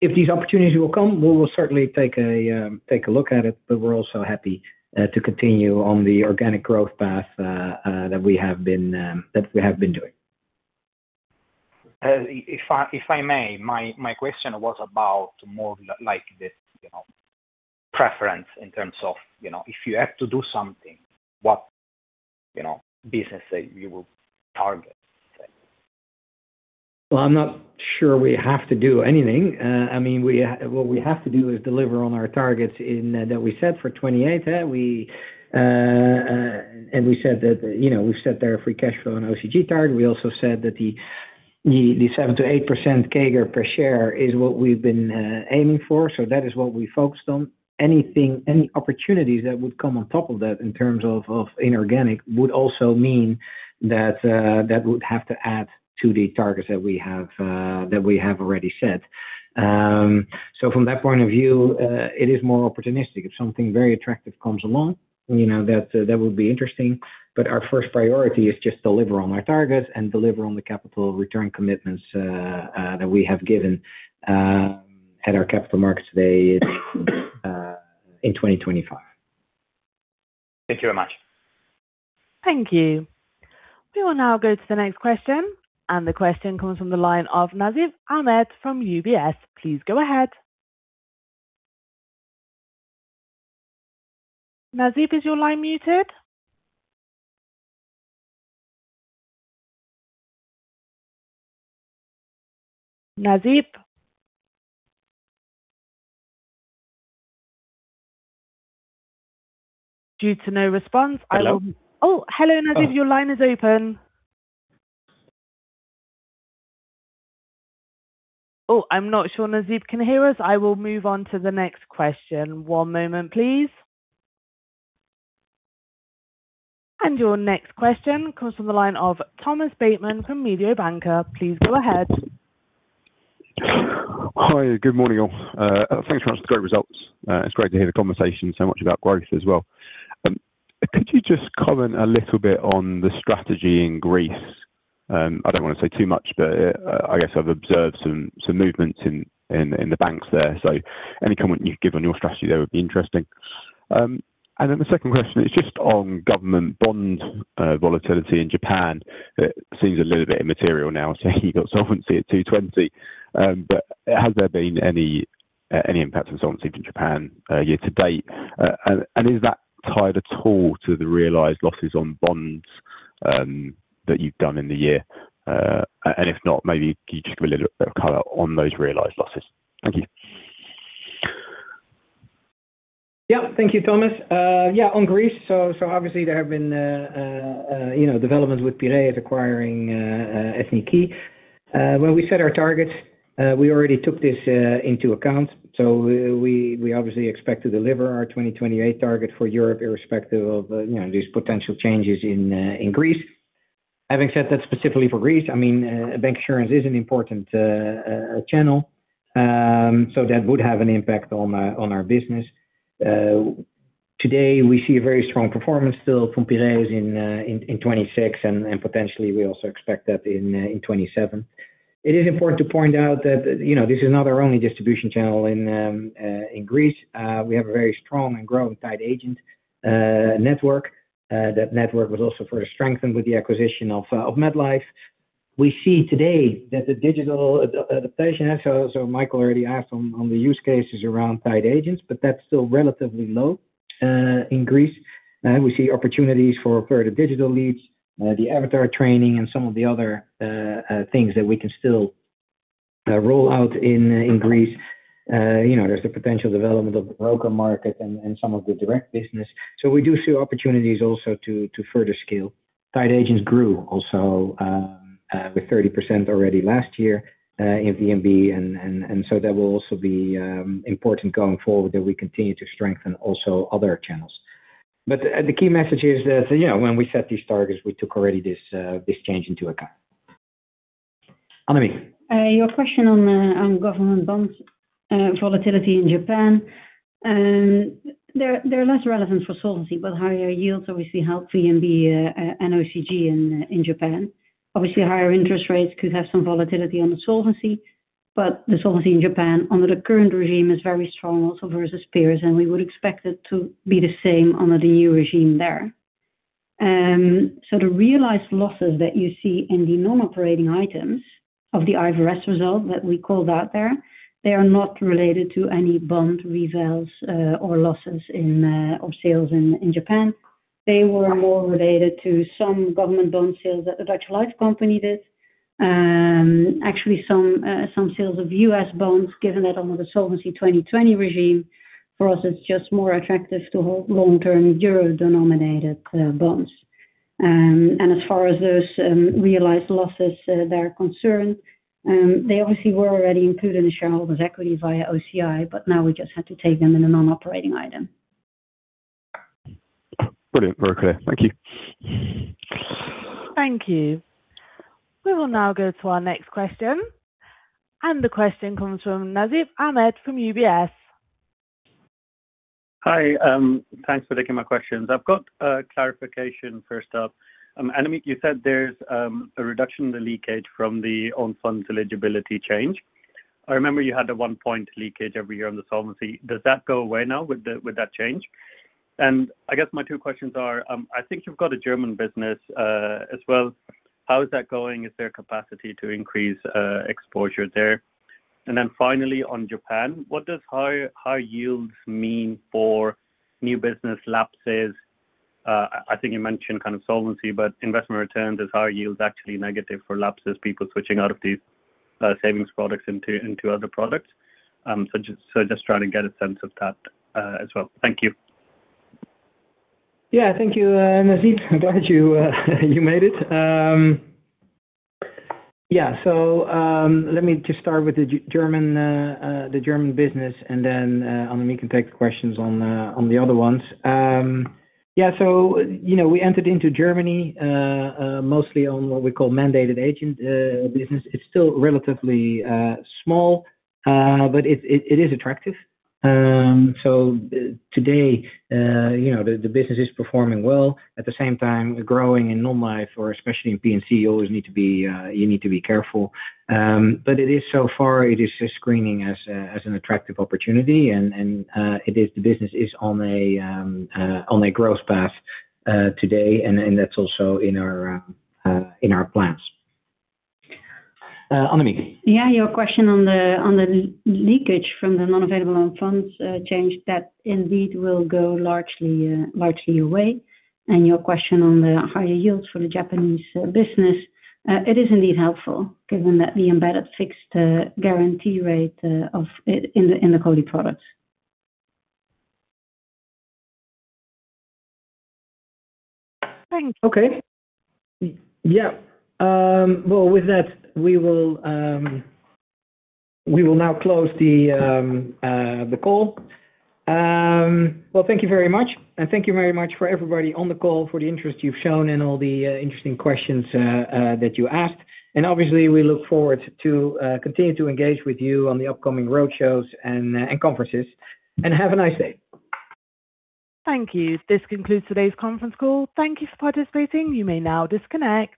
If these opportunities will come, we will certainly take a look at it, but we're also happy to continue on the organic growth path that we have been doing. If I may, my question was about more like this, you know, preference in terms of, you know, if you have to do something, what, you know, business that you will target? Well, I'm not sure we have to do anything. I mean, we, what we have to do is deliver on our targets in that we set for 2028. We, and we said that, you know, we set their free cash flow and OCG target. We also said that the seven to eight percent CAGR per share is what we've been aiming for, so that is what we focused on. Any opportunities that would come on top of that in terms of inorganic would also mean that that would have to add to the targets that we have already set. So from that point of view, it is more opportunistic. If something very attractive comes along, you know, that would be interesting, but our first priority is just deliver on our targets and deliver on the capital return commitments that we have given at our capital markets today in 2025. Thank you very much. Thank you. We will now go to the next question, and the question comes from the line of Nasib Ahmed from UBS. Please go ahead. Nasib, is your line muted? Nasib? Due to no response, I will- Hello. Oh, hello, Nasib. Your line is open. Oh, I'm not sure Nasib can hear us. I will move on to the next question. One moment, please. Your next question comes from the line of Thomas Bateman from Mediobanca. Please go ahead. Hi, good morning, all. Thanks so much for the great results. It's great to hear the conversation so much about growth as well. Could you just comment a little bit on the strategy in Greece? I don't want to say too much, but, I guess I've observed some, some movements in, in, in the banks there. So any comment you've given on your strategy there would be interesting. And then the second question is just on government bond volatility in Japan. It seems a little bit immaterial now, so you've got solvency at 220. But has there been any, any impact on solvency in Japan, year to date? And, is that tied at all to the realized losses on bonds, that you've done in the year? If not, maybe can you just give a little color on those realized losses? Thank you. Yeah. Thank you, Thomas. Yeah, on Greece, so obviously there have been, you know, developments with Piraeus acquiring Ethniki. When we set our targets, we already took this into account. So we obviously expect to deliver our 2028 target for Europe, irrespective of, you know, these potential changes in Greece. Having said that, specifically for Greece, I mean, bank insurance is an important channel, so that would have an impact on our business. Today, we see a very strong performance still from Piraeus in 2026, and potentially, we also expect that in 2027. It is important to point out that, you know, this is not our only distribution channel in Greece. We have a very strong and growing tied agent network. That network was also further strengthened with the acquisition of MetLife. We see today that the digital potential, so Michael already asked on the use cases around tied agents, but that's still relatively low in Greece. We see opportunities for further digital leads, the avatar training and some of the other things that we can still roll out in Greece. You know, there's the potential development of the broker market and some of the direct business. So we do see opportunities also to further scale. Tied agents grew also with 30% already last year in VNB, and so that will also be important going forward, that we continue to strengthen also other channels. But the key message is that, you know, when we set these targets, we took already this change into account. Annemiek? Your question on government bonds, volatility in Japan, they're less relevant for solvency, but higher yields obviously help VNB and OCG in Japan. Obviously, higher interest rates could have some volatility on the solvency, but the solvency in Japan, under the current regime, is very strong also versus peers, and we would expect it to be the same under the new regime there. So the realized losses that you see in the non-operating items of the IFRS result that we called out there, they are not related to any bond revals or losses or sales in Japan. They were more related to some government bond sales that the Dutch Life company did. Actually, some sales of U.S. bonds, given that under the Solvency II regime, for us, it's just more attractive to hold long-term euro-denominated bonds. As far as those realized losses they're concerned, they obviously were already included in the shareholders' equity via OCI, but now we just had to take them in a non-operating item. Brilliant. Very clear. Thank you. Thank you. We will now go to our next question. The question comes from Nasib Ahmed from UBS. Hi. Thanks for taking my questions. I've got a clarification first up. Annemiek, you said there's a reduction in the leakage from the own funds eligibility change. I remember you had a 1-point leakage every year on the solvency. Does that go away now with that change? And I guess my 2 questions are, I think you've got a German business as well. How is that going? Is there a capacity to increase exposure there? And then finally, on Japan, what does high, high yields mean for new business lapses? I think you mentioned kind of solvency, but investment returns is higher yields, actually negative for lapses, people switching out of these savings products into other products. So just trying to get a sense of that as well. Thank you. Yeah. Thank you, Nasib. I'm glad you made it. Yeah. So, let me just start with the German business, and then, Annemiek can take the questions on the other ones. Yeah, so, you know, we entered into Germany mostly on what we call mandated agent business. It's still relatively small, but it is attractive. So today, you know, the business is performing well. At the same time, growing in non-life or especially in P&C, you always need to be careful. But it is so far, it is screening as, as an attractive opportunity, and, and, it is, the business is on a, on a growth path, today, and, and that's also in our, in our plans. Annemiek? Yeah, your question on the leakage from the non-available own funds change, that indeed will go largely, largely away. And your question on the higher yields for the Japanese business, it is indeed helpful given that the embedded fixed guarantee rate of it in the COLI products. Thanks. Okay. Yeah. Well, with that, we will now close the call. Well, thank you very much, and thank you very much for everybody on the call for the interest you've shown and all the interesting questions that you asked. Obviously, we look forward to continue to engage with you on the upcoming roadshows and conferences, and have a nice day. Thank you. This concludes today's conference call. Thank you for participating. You may now disconnect.